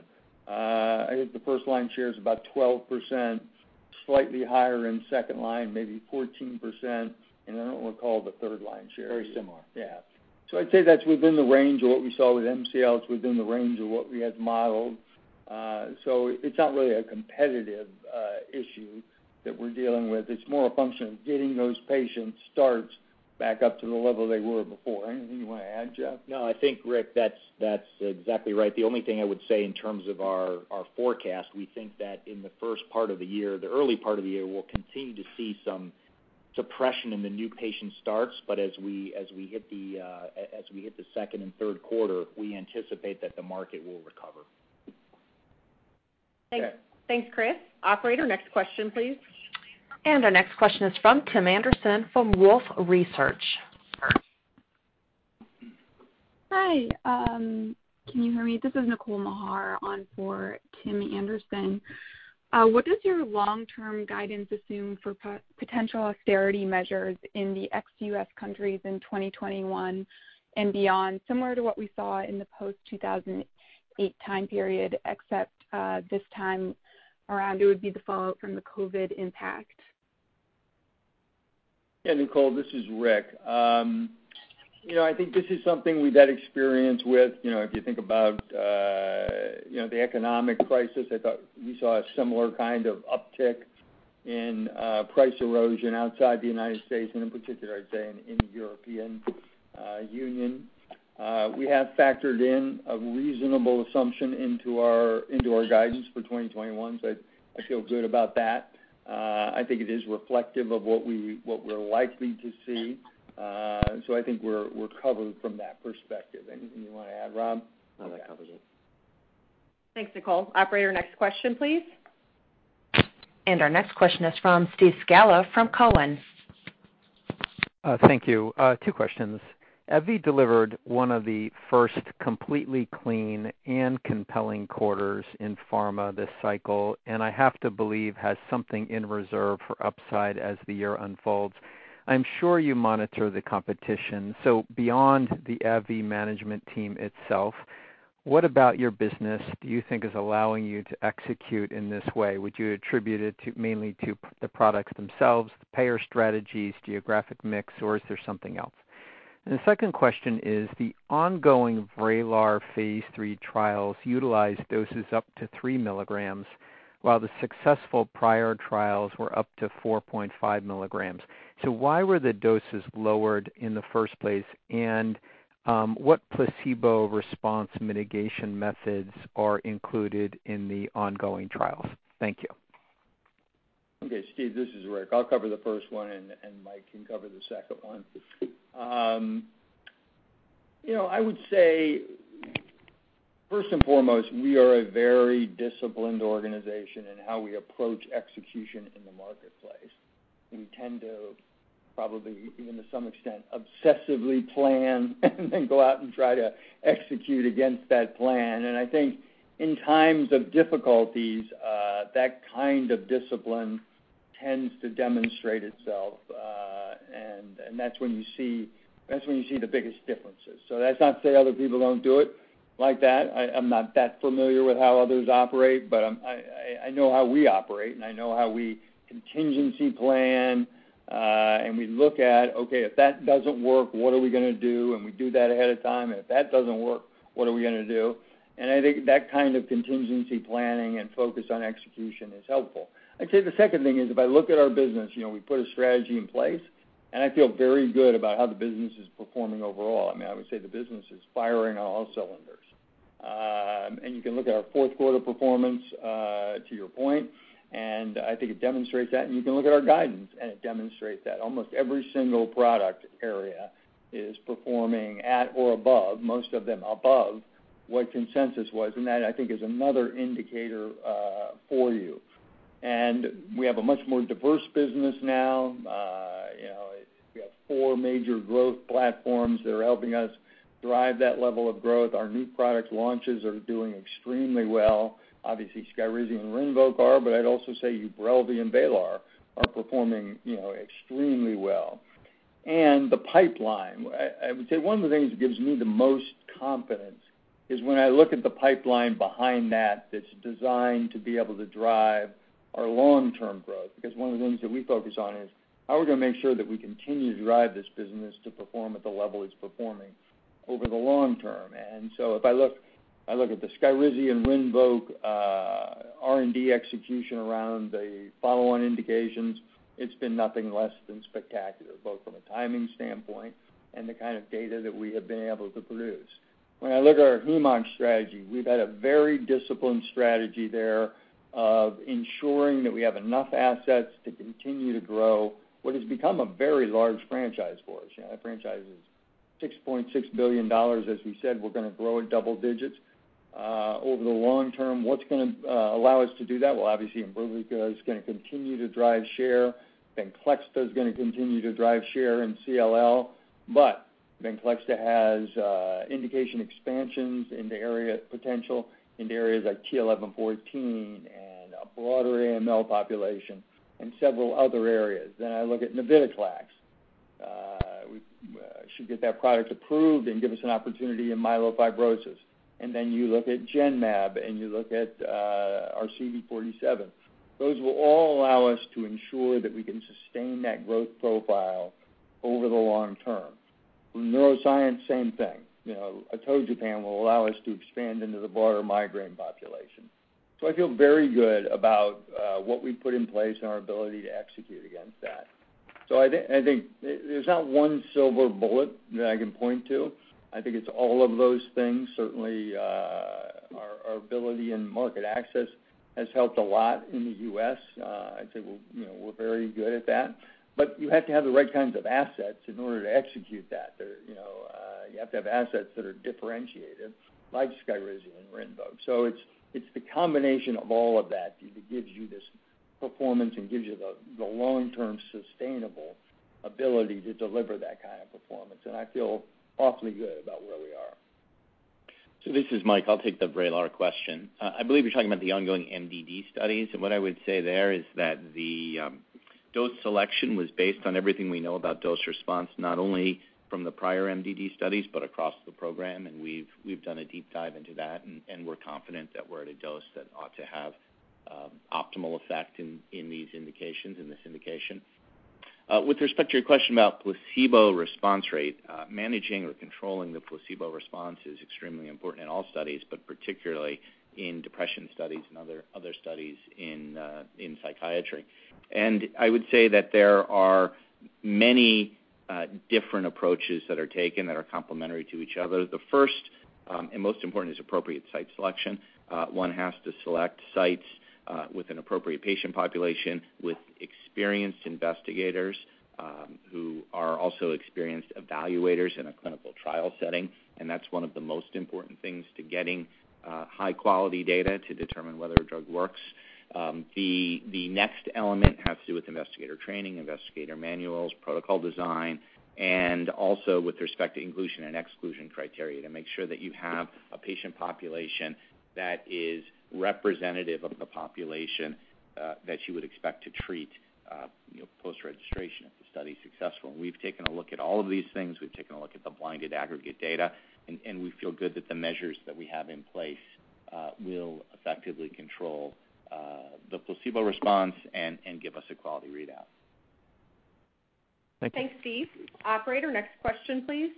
I think the first-line share is about 12%, slightly higher in second line, maybe 14%, and I don't recall the third line share. Very similar. I'd say that's within the range of what we saw with MCL. It's within the range of what we had modeled. It's not really a competitive issue that we're dealing with. It's more a function of getting those patient starts back up to the level they were before. Anything you want to add, Jeff? I think, Rick, that's exactly right. The only thing I would say in terms of our forecast, we think that in the first part of the year, the early part of the year, we'll continue to see some suppression in the new patient starts. As we hit the second and third quarter, we anticipate that the market will recover. Thanks, Chris. Operator, next question, please. Our next question is from Tim Anderson from Wolfe Research. Hi, can you hear me? This is Nicole Maher on for Tim Anderson. What does your long-term guidance assume for potential austerity measures in the ex-U.S. countries in 2021 and beyond, similar to what we saw in the post-2008 time period, except this time around it would be the fallout from the COVID impact? Yeah, Nicole, this is Rick. I think this is something we've had experience with. If you think about the economic crisis, I thought we saw a similar kind of uptick in price erosion outside the U.S., and in particular, I'd say in the European Union. We have factored in a reasonable assumption into our guidance for 2021. I feel good about that. I think it is reflective of what we're likely to see. I think we're covered from that perspective. Anything you want to add, Rob? No, that covers it. Thanks, Nicole. Operator, next question, please. Our next question is from Steve Scala from Cowen. Thank you. Two questions. AbbVie delivered one of the first completely clean and compelling quarters in pharma this cycle, and I have to believe has something in reserve for upside as the year unfolds. I'm sure you monitor the competition. Beyond the AbbVie management team itself, what about your business do you think is allowing you to execute in this way? Would you attribute it mainly to the products themselves, the payer strategies, geographic mix, or is there something else? The second question is, the ongoing VRAYLAR phase III trials utilized doses up to 3 mg, while the successful prior trials were up to 4.5 mg. Why were the doses lowered in the first place? What placebo response mitigation methods are included in the ongoing trials? Thank you. Okay, Steve, this is Rick. I'll cover the first one, and Mike can cover the second one. I would say, first and foremost, we are a very disciplined organization in how we approach execution in the marketplace. We tend to probably, even to some extent, obsessively plan and then go out and try to execute against that plan. I think in times of difficulties, that kind of discipline tends to demonstrate itself, and that's when you see the biggest differences. That's not to say other people don't do it like that. I'm not that familiar with how others operate, but I know how we operate, and I know how we contingency plan, and we look at, okay, if that doesn't work, what are we going to do? We do that ahead of time. If that doesn't work, what are we going to do? I think that kind of contingency planning and focus on execution is helpful. I'd say the second thing is, if I look at our business, we put a strategy in place, and I feel very good about how the business is performing overall. I would say the business is firing on all cylinders. You can look at our fourth quarter performance, to your point, and I think it demonstrates that. You can look at our guidance, and it demonstrates that. Almost every single product area is performing at or above, most of them above, what consensus was. That, I think, is another indicator for you. We have a much more diverse business now. We have four major growth platforms that are helping us drive that level of growth. Our new product launches are doing extremely well. Obviously, SKYRIZI and RINVOQ are, but I'd also say UBRELVY and VRAYLAR are performing extremely well. The pipeline. I would say one of the things that gives me the most confidence is when I look at the pipeline behind that's designed to be able to drive our long-term growth. One of the things that we focus on is how are we going to make sure that we continue to drive this business to perform at the level it's performing over the long term. If I look at the SKYRIZI and RINVOQ R&D execution around the follow-on indications, it's been nothing less than spectacular, both from a timing standpoint and the kind of data that we have been able to produce. When I look at our Hem-Onc strategy, we've had a very disciplined strategy there of ensuring that we have enough assets to continue to grow what has become a very large franchise for us. That franchise is $6.6 billion. As we said, we're going to grow it double digits over the long term. What's going to allow us to do that? Obviously, IMBRUVICA is going to continue to drive share. VENCLEXTA is going to continue to drive share in CLL. VENCLEXTA has indication expansions potential in the areas like t(11;14) and a broader AML population and several other areas. I look at navitoclax. We should get that product approved and give us an opportunity in myelofibrosis. You look at Genmab, and you look at our CD 47. Those will all allow us to ensure that we can sustain that growth profile over the long term. With Neuroscience, same thing, Atogepant will allow us to expand into the broader migraine population. I feel very good about what we've put in place and our ability to execute against that. I think there's not one silver bullet that I can point to. I think it's all of those things. Certainly, our ability in market access has helped a lot in the U.S. I'd say we're very good at that. You have to have the right kinds of assets in order to execute that. You have to have assets that are differentiated, like SKYRIZI and RINVOQ. It's the combination of all of that that gives you this performance and gives you the long-term sustainable ability to deliver that kind of performance. I feel awfully good about where we are. This is Mike. I'll take the VRAYLAR question. I believe you're talking about the ongoing MDD studies. What I would say there is that the dose selection was based on everything we know about dose response, not only from the prior MDD studies, but across the program, and we've done a deep dive into that, and we're confident that we're at a dose that ought to have optimal effect in these indications, in this indication. With respect to your question about placebo response rate, managing or controlling the placebo response is extremely important in all studies, but particularly in depression studies and other studies in psychiatry. I would say that there are many different approaches that are taken that are complementary to each other. The first and most important is appropriate site selection. One has to select sites with an appropriate patient population, with experienced investigators who are also experienced evaluators in a clinical trial setting. That's one of the most important things to getting high-quality data to determine whether a drug works. The next element has to do with investigator training, investigator manuals, protocol design, and also with respect to inclusion and exclusion criteria to make sure that you have a patient population that is representative of the population that you would expect to treat post-registration if the study is successful. We've taken a look at all of these things. We've taken a look at the blinded aggregate data, and we feel good that the measures that we have in place will effectively control the placebo response and give us a quality readout. Thanks, Steve. Operator, next question, please.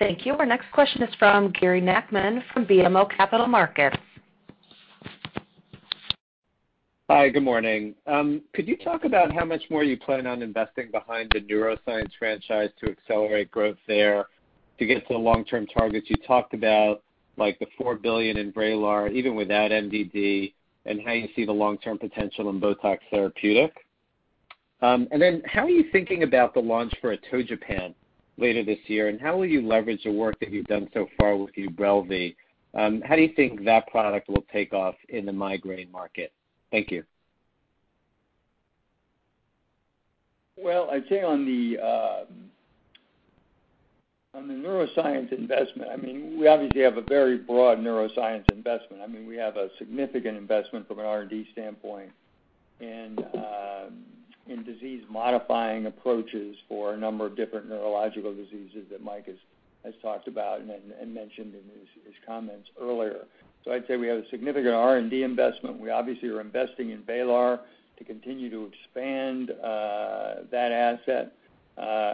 Thank you. Our next question is from Gary Nachman from BMO Capital Markets. Hi, good morning? Could you talk about how much more you plan on investing behind the Neuroscience franchise to accelerate growth there to get to the long-term targets you talked about, like the $4 billion in VRAYLAR, even without MDD, and how you see the long-term potential in BOTOX Therapeutic? How are you thinking about the launch for atogepant later this year, and how will you leverage the work that you've done so far with UBRELVY? How do you think that product will take off in the migraine market? Thank you. Well, I'd say on the Neuroscience investment, we obviously have a very broad Neuroscience investment. We have a significant investment from an R&D standpoint in disease-modifying approaches for a number of different neurological diseases that Mike has talked about and mentioned in his comments earlier. I'd say we have a significant R&D investment. We obviously are investing in VRAYLAR to continue to expand that asset.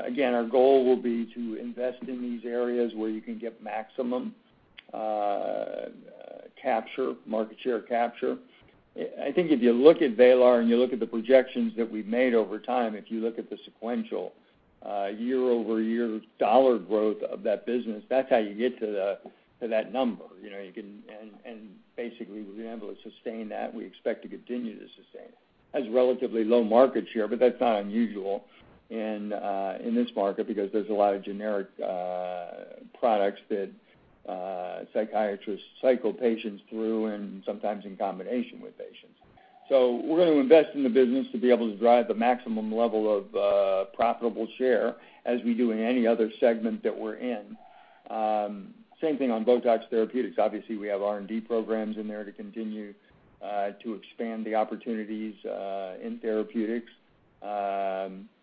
Again, our goal will be to invest in these areas where you can get maximum market share capture. I think if you look at VRAYLAR and you look at the projections that we've made over time, if you look at the sequential year-over-year dollar growth of that business, that's how you get to that number. Basically, we've been able to sustain that. We expect to continue to sustain it. Has relatively low market share, but that's not unusual in this market because there's a lot of generic products that psychiatrists cycle patients through and sometimes in combination with patients. We're going to invest in the business to be able to drive the maximum level of profitable share as we do in any other segment that we're in. Same thing on BOTOX Therapeutic. Obviously, we have R&D programs in there to continue to expand the opportunities in therapeutics.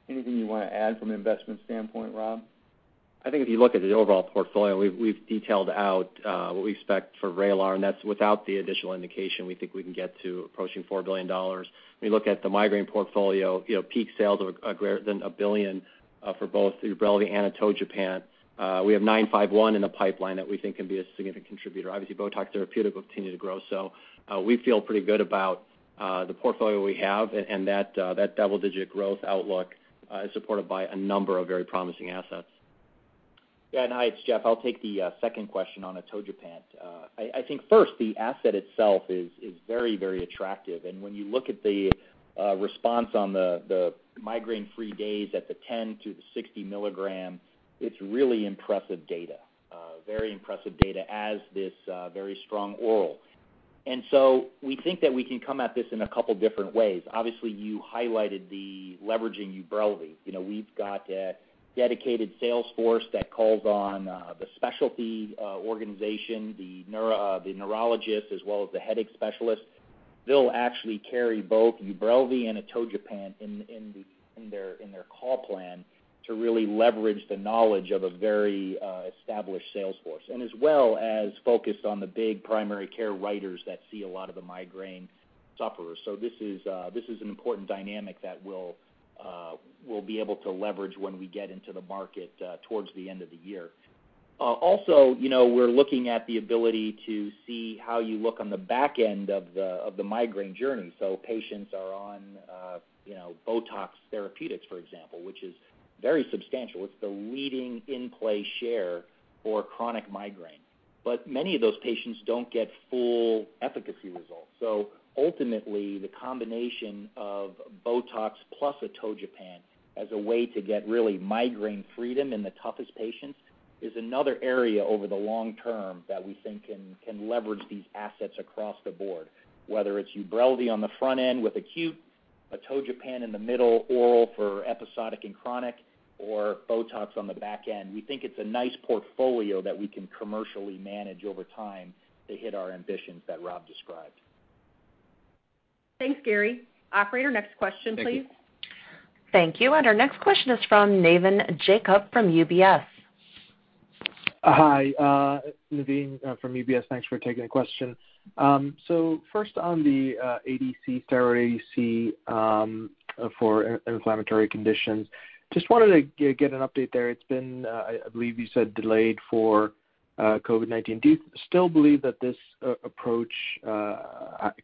Anything you want to add from an investment standpoint, Rob? I think if you look at the overall portfolio, we've detailed out what we expect for VRAYLAR, and that's without the additional indication, we think we can get to approaching $4 billion. When you look at the migraine portfolio, peak sales are greater than $1 billion for both UBRELVY and atogepant. We have ABBV-951 in the pipeline that we think can be a significant contributor. Obviously, BOTOX Therapeutic will continue to grow. We feel pretty good about the portfolio we have, and that double-digit growth outlook is supported by a number of very promising assets. Hi, it's Jeff. I'll take the second question on atogepant. I think first, the asset itself is very attractive. When you look at the response on the migraine-free days at the 10 mg-60 mg, it's really impressive data. Very impressive data, as this very strong [world]. We think that we can come at this in a couple of different ways. Obviously, you highlighted the leveraging UBRELVY. We've got a dedicated sales force that calls on the specialty organization, the neurologist, as well as the headache specialist. They'll actually carry both UBRELVY and atogepant in their call plan to really leverage the knowledge of a very established sales force, and as well as focused on the big primary care writers that see a lot of the migraine sufferers. This is an important dynamic that we'll be able to leverage when we get into the market towards the end of the year. We're looking at the ability to see how you look on the back end of the migraine journey. Patients are on BOTOX Therapeutic, for example, which is very substantial. It's the leading in-play share for chronic migraine. Many of those patients don't get full efficacy results. Ultimately, the combination of BOTOX plus atogepant as a way to get really migraine freedom in the toughest patients is another area over the long term that we think can leverage these assets across the board, whether it's UBRELVY on the front end with acute, atogepant in the middle oral for episodic and chronic, or BOTOX on the back end. We think it's a nice portfolio that we can commercially manage over time to hit our ambitions that Rob described. Thanks, Gary. Operator, next question, please. Thank you. Our next question is from Navin Jacob from UBS. Hi? Navin from UBS. Thanks for taking the question. First on the ADC steroid AC for inflammatory conditions. Just wanted to get an update there. It's been, I believe you said, delayed for COVID-19. Do you still believe that this approach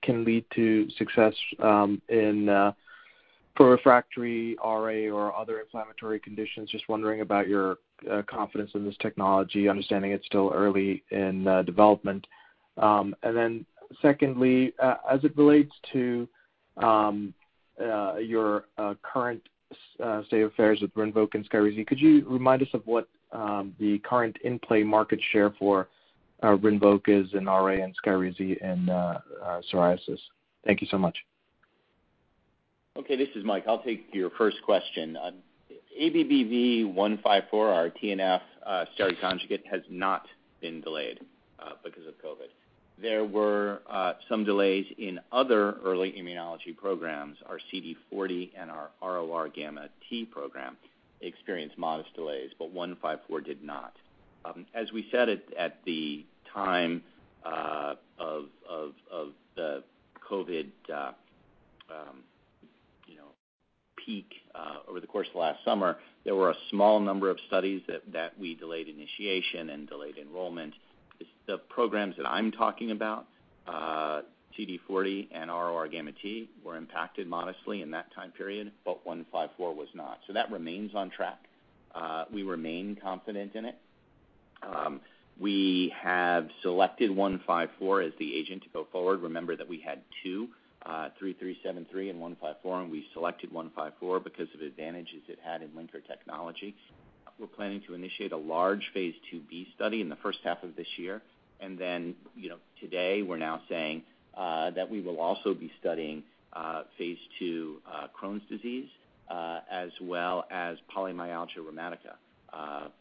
can lead to success in for refractory RA or other inflammatory conditions? Just wondering about your confidence in this technology, understanding it's still early in development. Secondly, as it relates to your current state of affairs with RINVOQ and SKYRIZI, could you remind us of what the current in-play market share for RINVOQ is in RA and SKYRIZI in psoriasis? Thank you so much. Okay, this is Mike. I'll take your first question. ABBV-154, our TNF steroid conjugate, has not been delayed because of COVID. There were some delays in other early immunology programs. Our CD40 and our RORγt program experienced modest delays, but ABBV-154 did not. As we said it at the time of the COVID peak over the course of last summer, there were a small number of studies that we delayed initiation and delayed enrollment. The programs that I'm talking about, CD40 and RORγt, were impacted modestly in that time period, but ABBV-154 was not. That remains on track. We remain confident in it. We have selected 154 as the agent to go forward. Remember that we had two, ABBV-3373 and ABBV-154, and we selected ABBV-154 because of the advantages it had in linker technology. We're planning to initiate a large phase II-B study in the first half of this year. Today we're now saying that we will also be studying phase II Crohn's disease as well as polymyalgia rheumatica.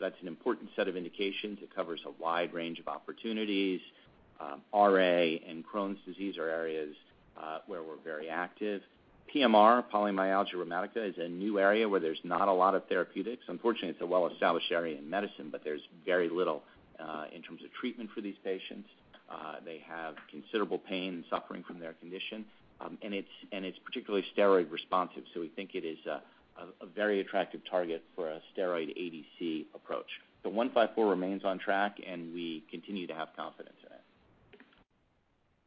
That's an important set of indications. It covers a wide range of opportunities. RA and Crohn's disease are areas where we're very active. PMR, polymyalgia rheumatica, is a new area where there's not a lot of therapeutics. Unfortunately, it's a well-established area in medicine, there's very little in terms of treatment for these patients. They have considerable pain and suffering from their condition. It's particularly steroid responsive, we think it is a very attractive target for a steroid ADC approach. ABBV-154 remains on track, and we continue to have confidence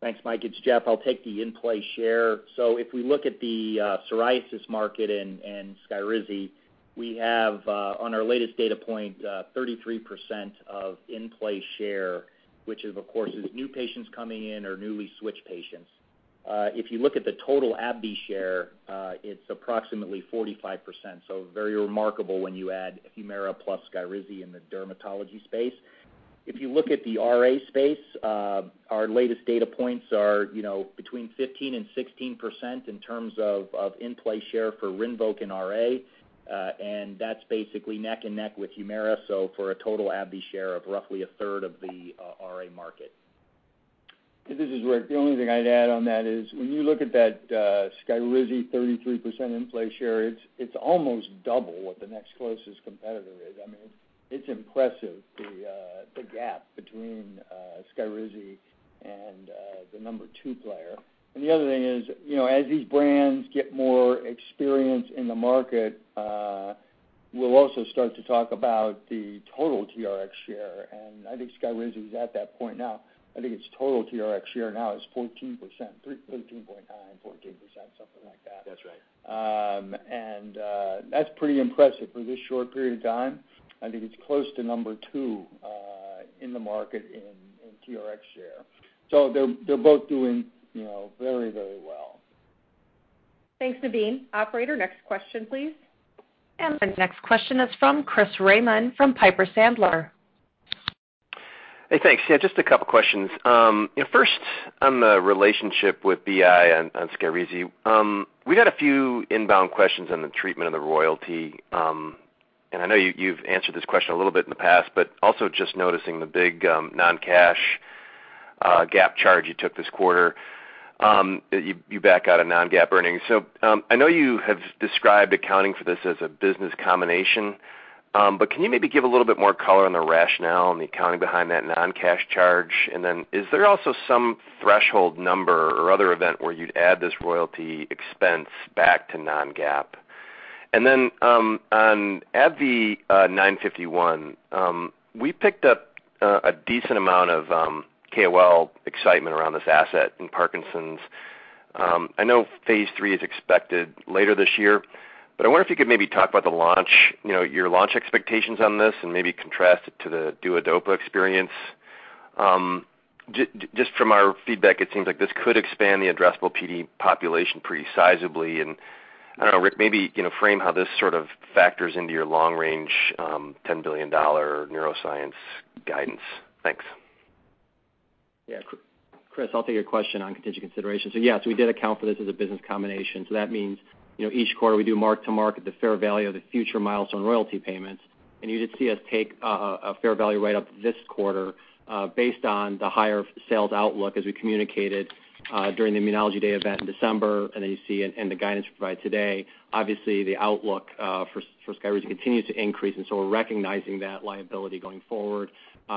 in it. Thanks, Mike. It's Jeff. I'll take the in-play share. If we look at the psoriasis market and SKYRIZI, we have on our latest data point, 33% of in-play share, which of course is new patients coming in or newly switched patients. If you look at the total AbbVie share, it's approximately 45%. Very remarkable when you add HUMIRA plus SKYRIZI in the dermatology space. If you look at the RA space, our latest data points are between 15% and 16% in terms of in-play share for RINVOQ and RA. That's basically neck and neck with HUMIRA, for a total AbbVie share of roughly a third of the RA market. This is Rick. The only thing I'd add on that is when you look at that SKYRIZI 33% in-play rate, it's almost double what the next closest competitor is. It's impressive, the gap between SKYRIZI and the number two player. The other thing is, as these brands get more experience in the market, we'll also start to talk about the total TRX share, and I think SKYRIZI is at that point now. I think its total TRX share now is 14%, 13.9%, 14%, something like that. That's right. That's pretty impressive for this short period of time. I think it's close to number two in the market in TRX share. They're both doing very well. Thanks, Navin. Operator, next question, please. The next question is from Chris Raymond from Piper Sandler. Hey, thanks? Just a couple of questions. First on the relationship with BI and SKYRIZI. We had a few inbound questions on the treatment and the royalty. I know you've answered this question a little bit in the past, but also just noticing the big non-cash GAAP charge you took this quarter. You back out a non-GAAP earnings. I know you have described accounting for this as a business combination, but can you maybe give a little bit more color on the rationale and the accounting behind that non-cash charge? Is there also some threshold number or other event where you'd add this royalty expense back to non-GAAP? On AbbVie ABBV-951, we picked up a decent amount of KOL excitement around this asset in Parkinson's. I know phase III is expected later this year, but I wonder if you could maybe talk about your launch expectations on this and maybe contrast it to the Duodopa experience. Just from our feedback, it seems like this could expand the addressable PD population pretty sizably. I don't know, Rick, maybe frame how this sort of factors into your long-range $10 billion neuroscience guidance. Thanks. Yeah. Chris, I'll take your question on contingent consideration. Yes, we did account for this as a business combination. That means, each quarter we do mark to market the fair value of the future milestone royalty payments. You did see us take a fair value write-up this quarter based on the higher sales outlook as we communicated during the Immunology Day event in December. You see it in the guidance we provide today. Obviously, the outlook for SKYRIZI continues to increase, and we're recognizing that liability going forward.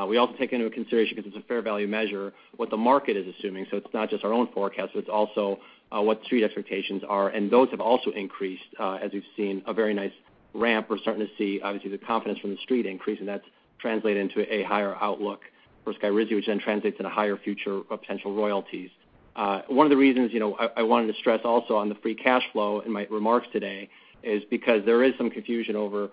We also take into consideration, because it's a fair value measure, what the market is assuming. It's not just our own forecast, but it's also what street expectations are. Those have also increased as we've seen a very nice ramp. We're starting to see, obviously, the confidence from the street increase, and that's translated into a higher outlook for SKYRIZI, which then translates into higher future potential royalties. One of the reasons I wanted to stress also on the free cash flow in my remarks today is because there is some confusion over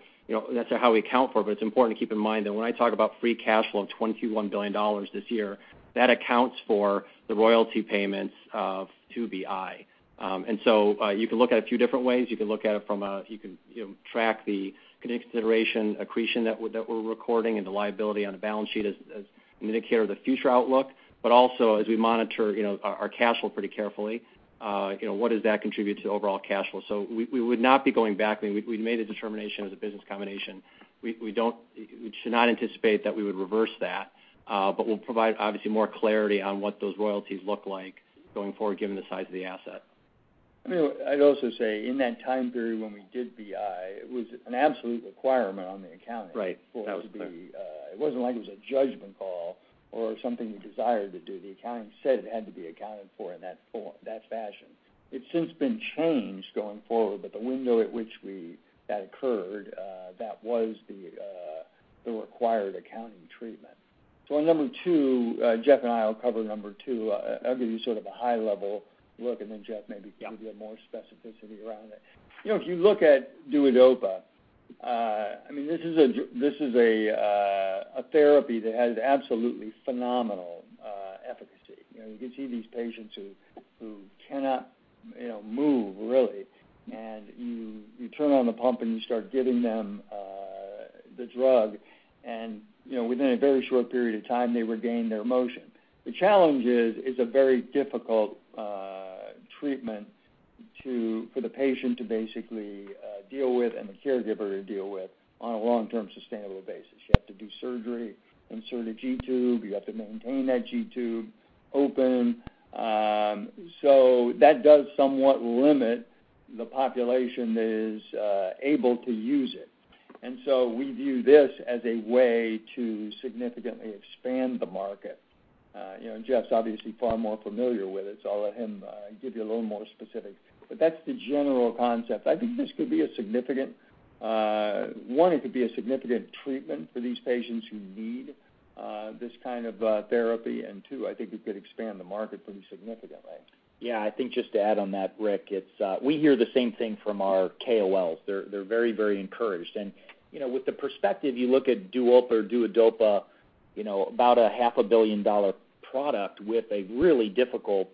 how we account for it. It's important to keep in mind that when I talk about free cash flow of $21 billion this year, that accounts for the royalty payments to BI. You can look at it a few different ways. You can track the consideration accretion that we're recording and the liability on the balance sheet as an indicator of the future outlook, but also as we monitor our cash flow pretty carefully, what does that contribute to overall cash flow? We would not be going back. We made a determination as a business combination. We should not anticipate that we would reverse that. We'll provide obviously more clarity on what those royalties look like going forward, given the size of the asset. I'd also say in that time period when we did BI, it was an absolute requirement on the accounting. It wasn't like it was a judgment call or something we desired to do. The accounting said it had to be accounted for in that fashion. It's since been changed going forward, but the window at which that occurred that was the required accounting treatment. On number two, Jeff and I will cover number two. I'll give you sort of a high-level look, then Jeff could give more specificity around it. You look at Duodopa, this is a therapy that has absolutely phenomenal efficacy. You can see these patients who cannot move really, you turn on the pump, and you start giving them the drug, and within a very short period of time, they regain their motion. Challenge is, it's a very difficult treatment for the patient to basically deal with and the caregiver to deal with on a long-term, sustainable basis. You have to do surgery, insert a G-tube. You have to maintain that G-tube open. That does somewhat limit the population that is able to use it. We view this as a way to significantly expand the market. Jeff's obviously far more familiar with it, I'll let him give you a little more specifics. That's the general concept. I think this could be one, it could be a significant treatment for these patients who need this kind of therapy. Two, I think it could expand the market pretty significantly. Yeah, I think just to add on that, Rick, we hear the same thing from our KOLs. They're very encouraged. With the perspective, you look at DUOPA, about a half a billion-dollar product with a really difficult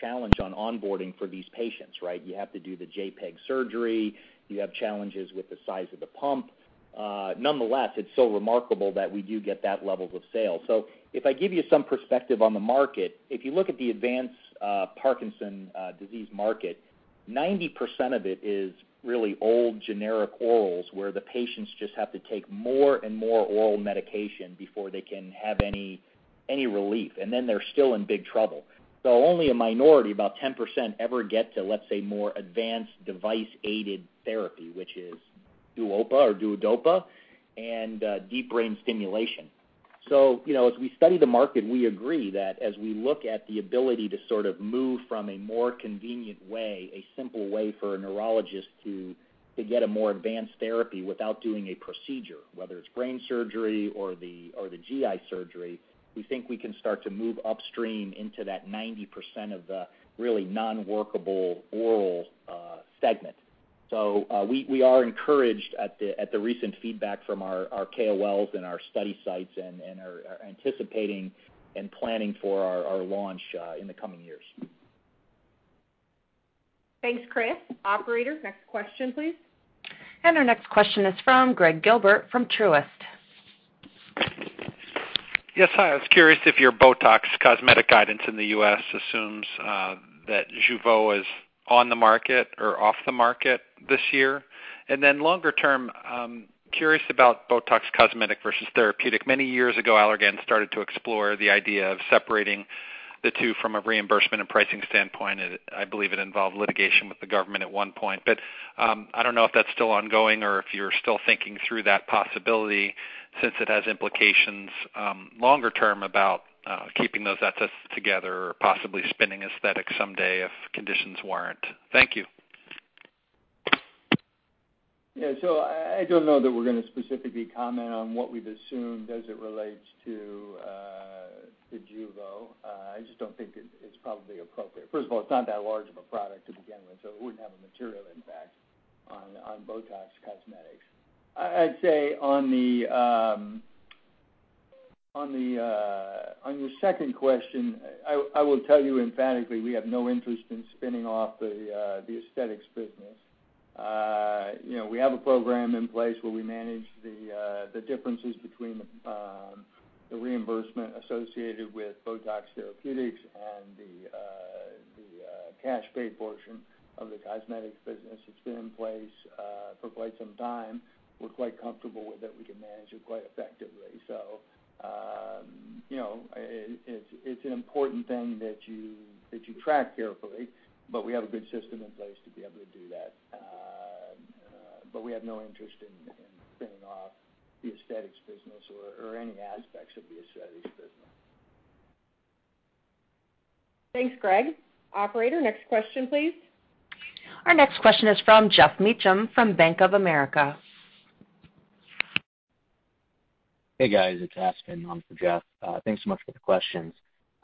challenge on onboarding for these patients, right? You have to do the PEG-J surgery. You have challenges with the size of the pump. Nonetheless, it's so remarkable that we do get that level of sale. If I give you some perspective on the market, if you look at the advanced Parkinson's disease market, 90% of it is really old generic orals where the patients just have to take more and more oral medication before they can have any relief, and then they're still in big trouble. Only a minority, about 10%, ever get to, let's say, more advanced device-aided therapy, which is DUOPA or Duodopa, and deep brain stimulation. As we study the market, we agree that as we look at the ability to sort of move from a more convenient way, a simple way for a neurologist to get a more advanced therapy without doing a procedure, whether it's brain surgery or the GI surgery, we think we can start to move upstream into that 90% of the really non-workable oral segment. We are encouraged at the recent feedback from our KOLs and our study sites and are anticipating and planning for our launch in the coming years. Thanks, Chris. Operator, next question, please. Our next question is from Gregg Gilbert from Truist. Yes. Hi, I was curious if your BOTOX Cosmetic guidance in the U.S. assumes that JEUVEAU is on the market or off the market this year. Longer term, curious about BOTOX Cosmetic versus Therapeutic. Many years ago, Allergan started to explore the idea of separating the two from a reimbursement and pricing standpoint, I believe it involved litigation with the government at one point. I don't know if that's still ongoing or if you're still thinking through that possibility since it has implications longer term about keeping those assets together or possibly spinning aesthetic someday if conditions warrant. Thank you. I don't know that we're going to specifically comment on what we've assumed as it relates to the JEUVEAU. I just don't think it's probably appropriate. First of all, it's not that large of a product to begin with, so it wouldn't have a material impact on BOTOX Cosmetic. I'd say on your second question, I will tell you emphatically, we have no interest in spinning off the aesthetics business. We have a program in place where we manage the differences between the reimbursement associated with BOTOX Therapeutic and the cash paid portion of the cosmetics business. It's been in place for quite some time. We're quite comfortable with it. We can manage it quite effectively. It's an important thing that you track carefully, but we have a good system in place to be able to do that. We have no interest in spinning off the aesthetics business or any aspects of the aesthetics business. Thanks, Gregg. Operator, next question, please. Our next question is from Geoff Meacham from Bank of America. Hey, guys. It's Austin on for Geoff. Thanks so much for the questions.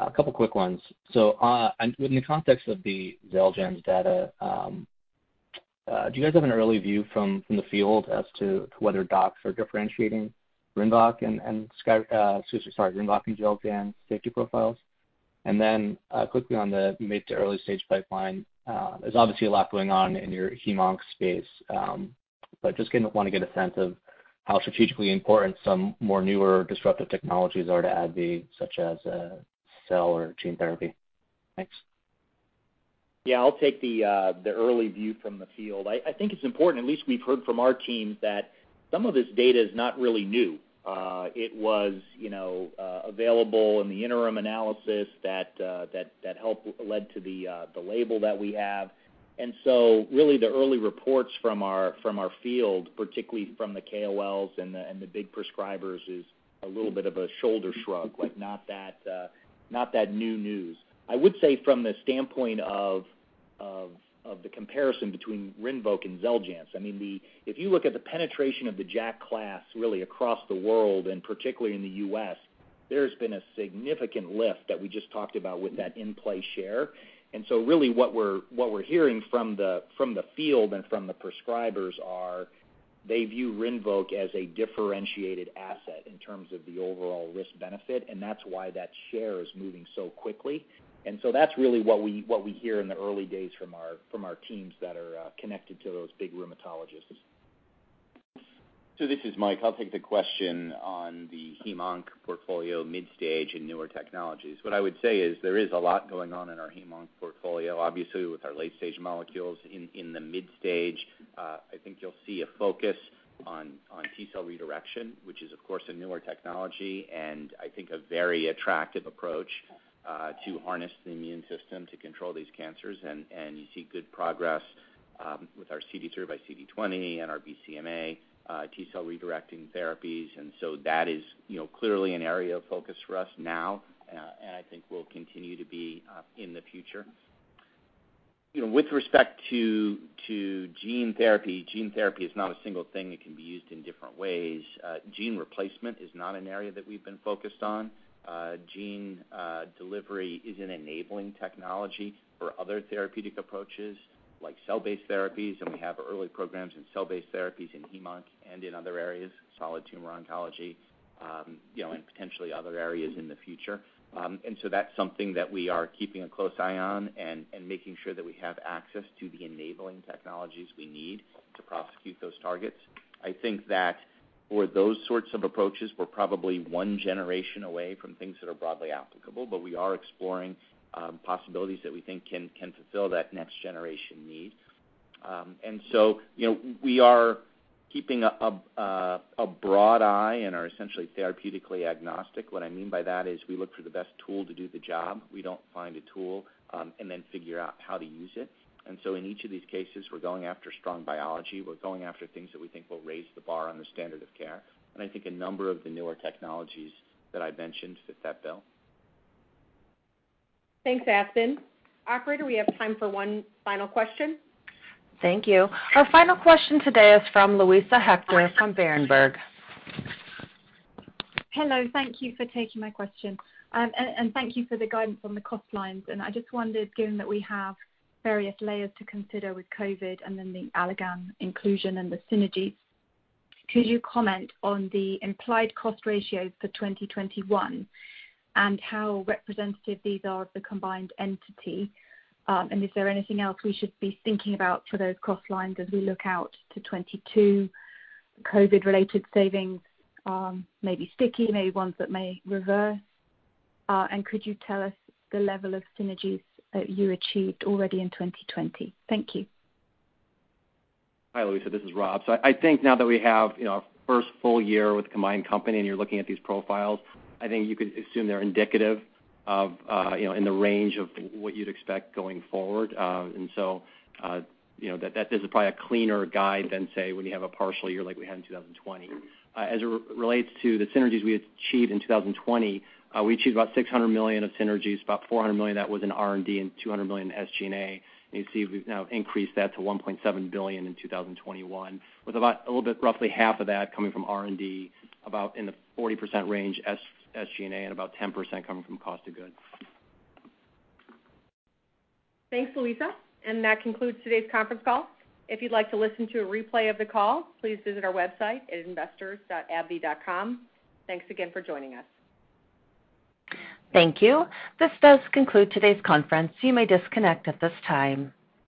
A couple of quick ones. Within the context of the Xeljanz data, do you guys have an early view from the field as to whether docs are differentiating RINVOQ and Xeljanz safety profiles? Quickly on the mid to early-stage pipeline, there's obviously a lot going on in your hem-onc space. Just want to get a sense of how strategically important some more newer disruptive technologies are to AbbVie, such as cell or gene therapy. Thanks. I'll take the early view from the field. I think it's important, at least we've heard from our teams that some of this data is not really new. It was available in the interim analysis that helped led to the label that we have. Really the early reports from our field, particularly from the KOLs and the big prescribers, is a little bit of a shoulder shrug, like not that new news. I would say from the standpoint of the comparison between RINVOQ and XELJANZ, if you look at the penetration of the JAK class really across the world, and particularly in the U.S., there's been a significant lift that we just talked about with that in-play share. Really what we're hearing from the field and from the prescribers are they view RINVOQ as a differentiated asset in terms of the overall risk benefit, and that's why that share is moving so quickly. That's really what we hear in the early days from our teams that are connected to those big rheumatologists. This is Mike. I'll take the question on the hem-onc portfolio mid-stage and newer technologies. What I would say is there is a lot going on in our hem-onc portfolio, obviously with our late-stage molecules. In the mid-stage, I think you'll see a focus on T-cell redirection, which is of course a newer technology and I think a very attractive approach to harness the immune system to control these cancers, and you see good progress with our CD3xCD20 and our BCMA T-cell redirecting therapies. That is clearly an area of focus for us now, and I think will continue to be in the future. With respect to gene therapy, gene therapy is not a single thing. It can be used in different ways. Gene replacement is not an area that we've been focused on. Gene delivery is an enabling technology for other therapeutic approaches like cell-based therapies. We have early programs in cell-based therapies in hem-onc and in other areas, solid tumor oncology, and potentially other areas in the future. That's something that we are keeping a close eye on and making sure that we have access to the enabling technologies we need to prosecute those targets. I think that for those sorts of approaches, we're probably one generation away from things that are broadly applicable, but we are exploring possibilities that we think can fulfill that next generation need. We are keeping a broad eye and are essentially therapeutically agnostic. What I mean by that is we look for the best tool to do the job. We don't find a tool and then figure out how to use it. In each of these cases, we're going after strong biology. We're going after things that we think will raise the bar on the standard of care. I think a number of the newer technologies that I've mentioned fit that bill. Thanks, Austin. Operator, we have time for one final question. Thank you. Our final question today is from Luisa Hector from Berenberg. Hello? Thank you for taking my question. Thank you for the guidance on the cost lines. I just wondered, given that we have various layers to consider with COVID and then the Allergan inclusion and the synergies, could you comment on the implied cost ratios for 2021 and how representative these are of the combined entity? Is there anything else we should be thinking about for those cost lines as we look out to 2022 COVID-related savings, maybe sticky, maybe ones that may reverse? Could you tell us the level of synergies that you achieved already in 2020? Thank you. Hi, Luisa. This is Rob. I think now that we have our first full year with the combined company and you're looking at these profiles, I think you could assume they're indicative in the range of what you'd expect going forward. That is probably a cleaner guide than, say, when you have a partial year like we had in 2020. As it relates to the synergies we achieved in 2020, we achieved about $600 million of synergies, about $400 million that was in R&D, and $200 million in SG&A. You see we've now increased that to $1.7 billion in 2021, with about a little bit roughly half of that coming from R&D, about in the 40% range SG&A, and about 10% coming from cost of goods. Thanks, Luisa. That concludes today's conference call. If you'd like to listen to a replay of the call, please visit our website at investors.abbvie.com. Thanks again for joining us. Thank you. This does conclude today's conference, you may disconnect at this time.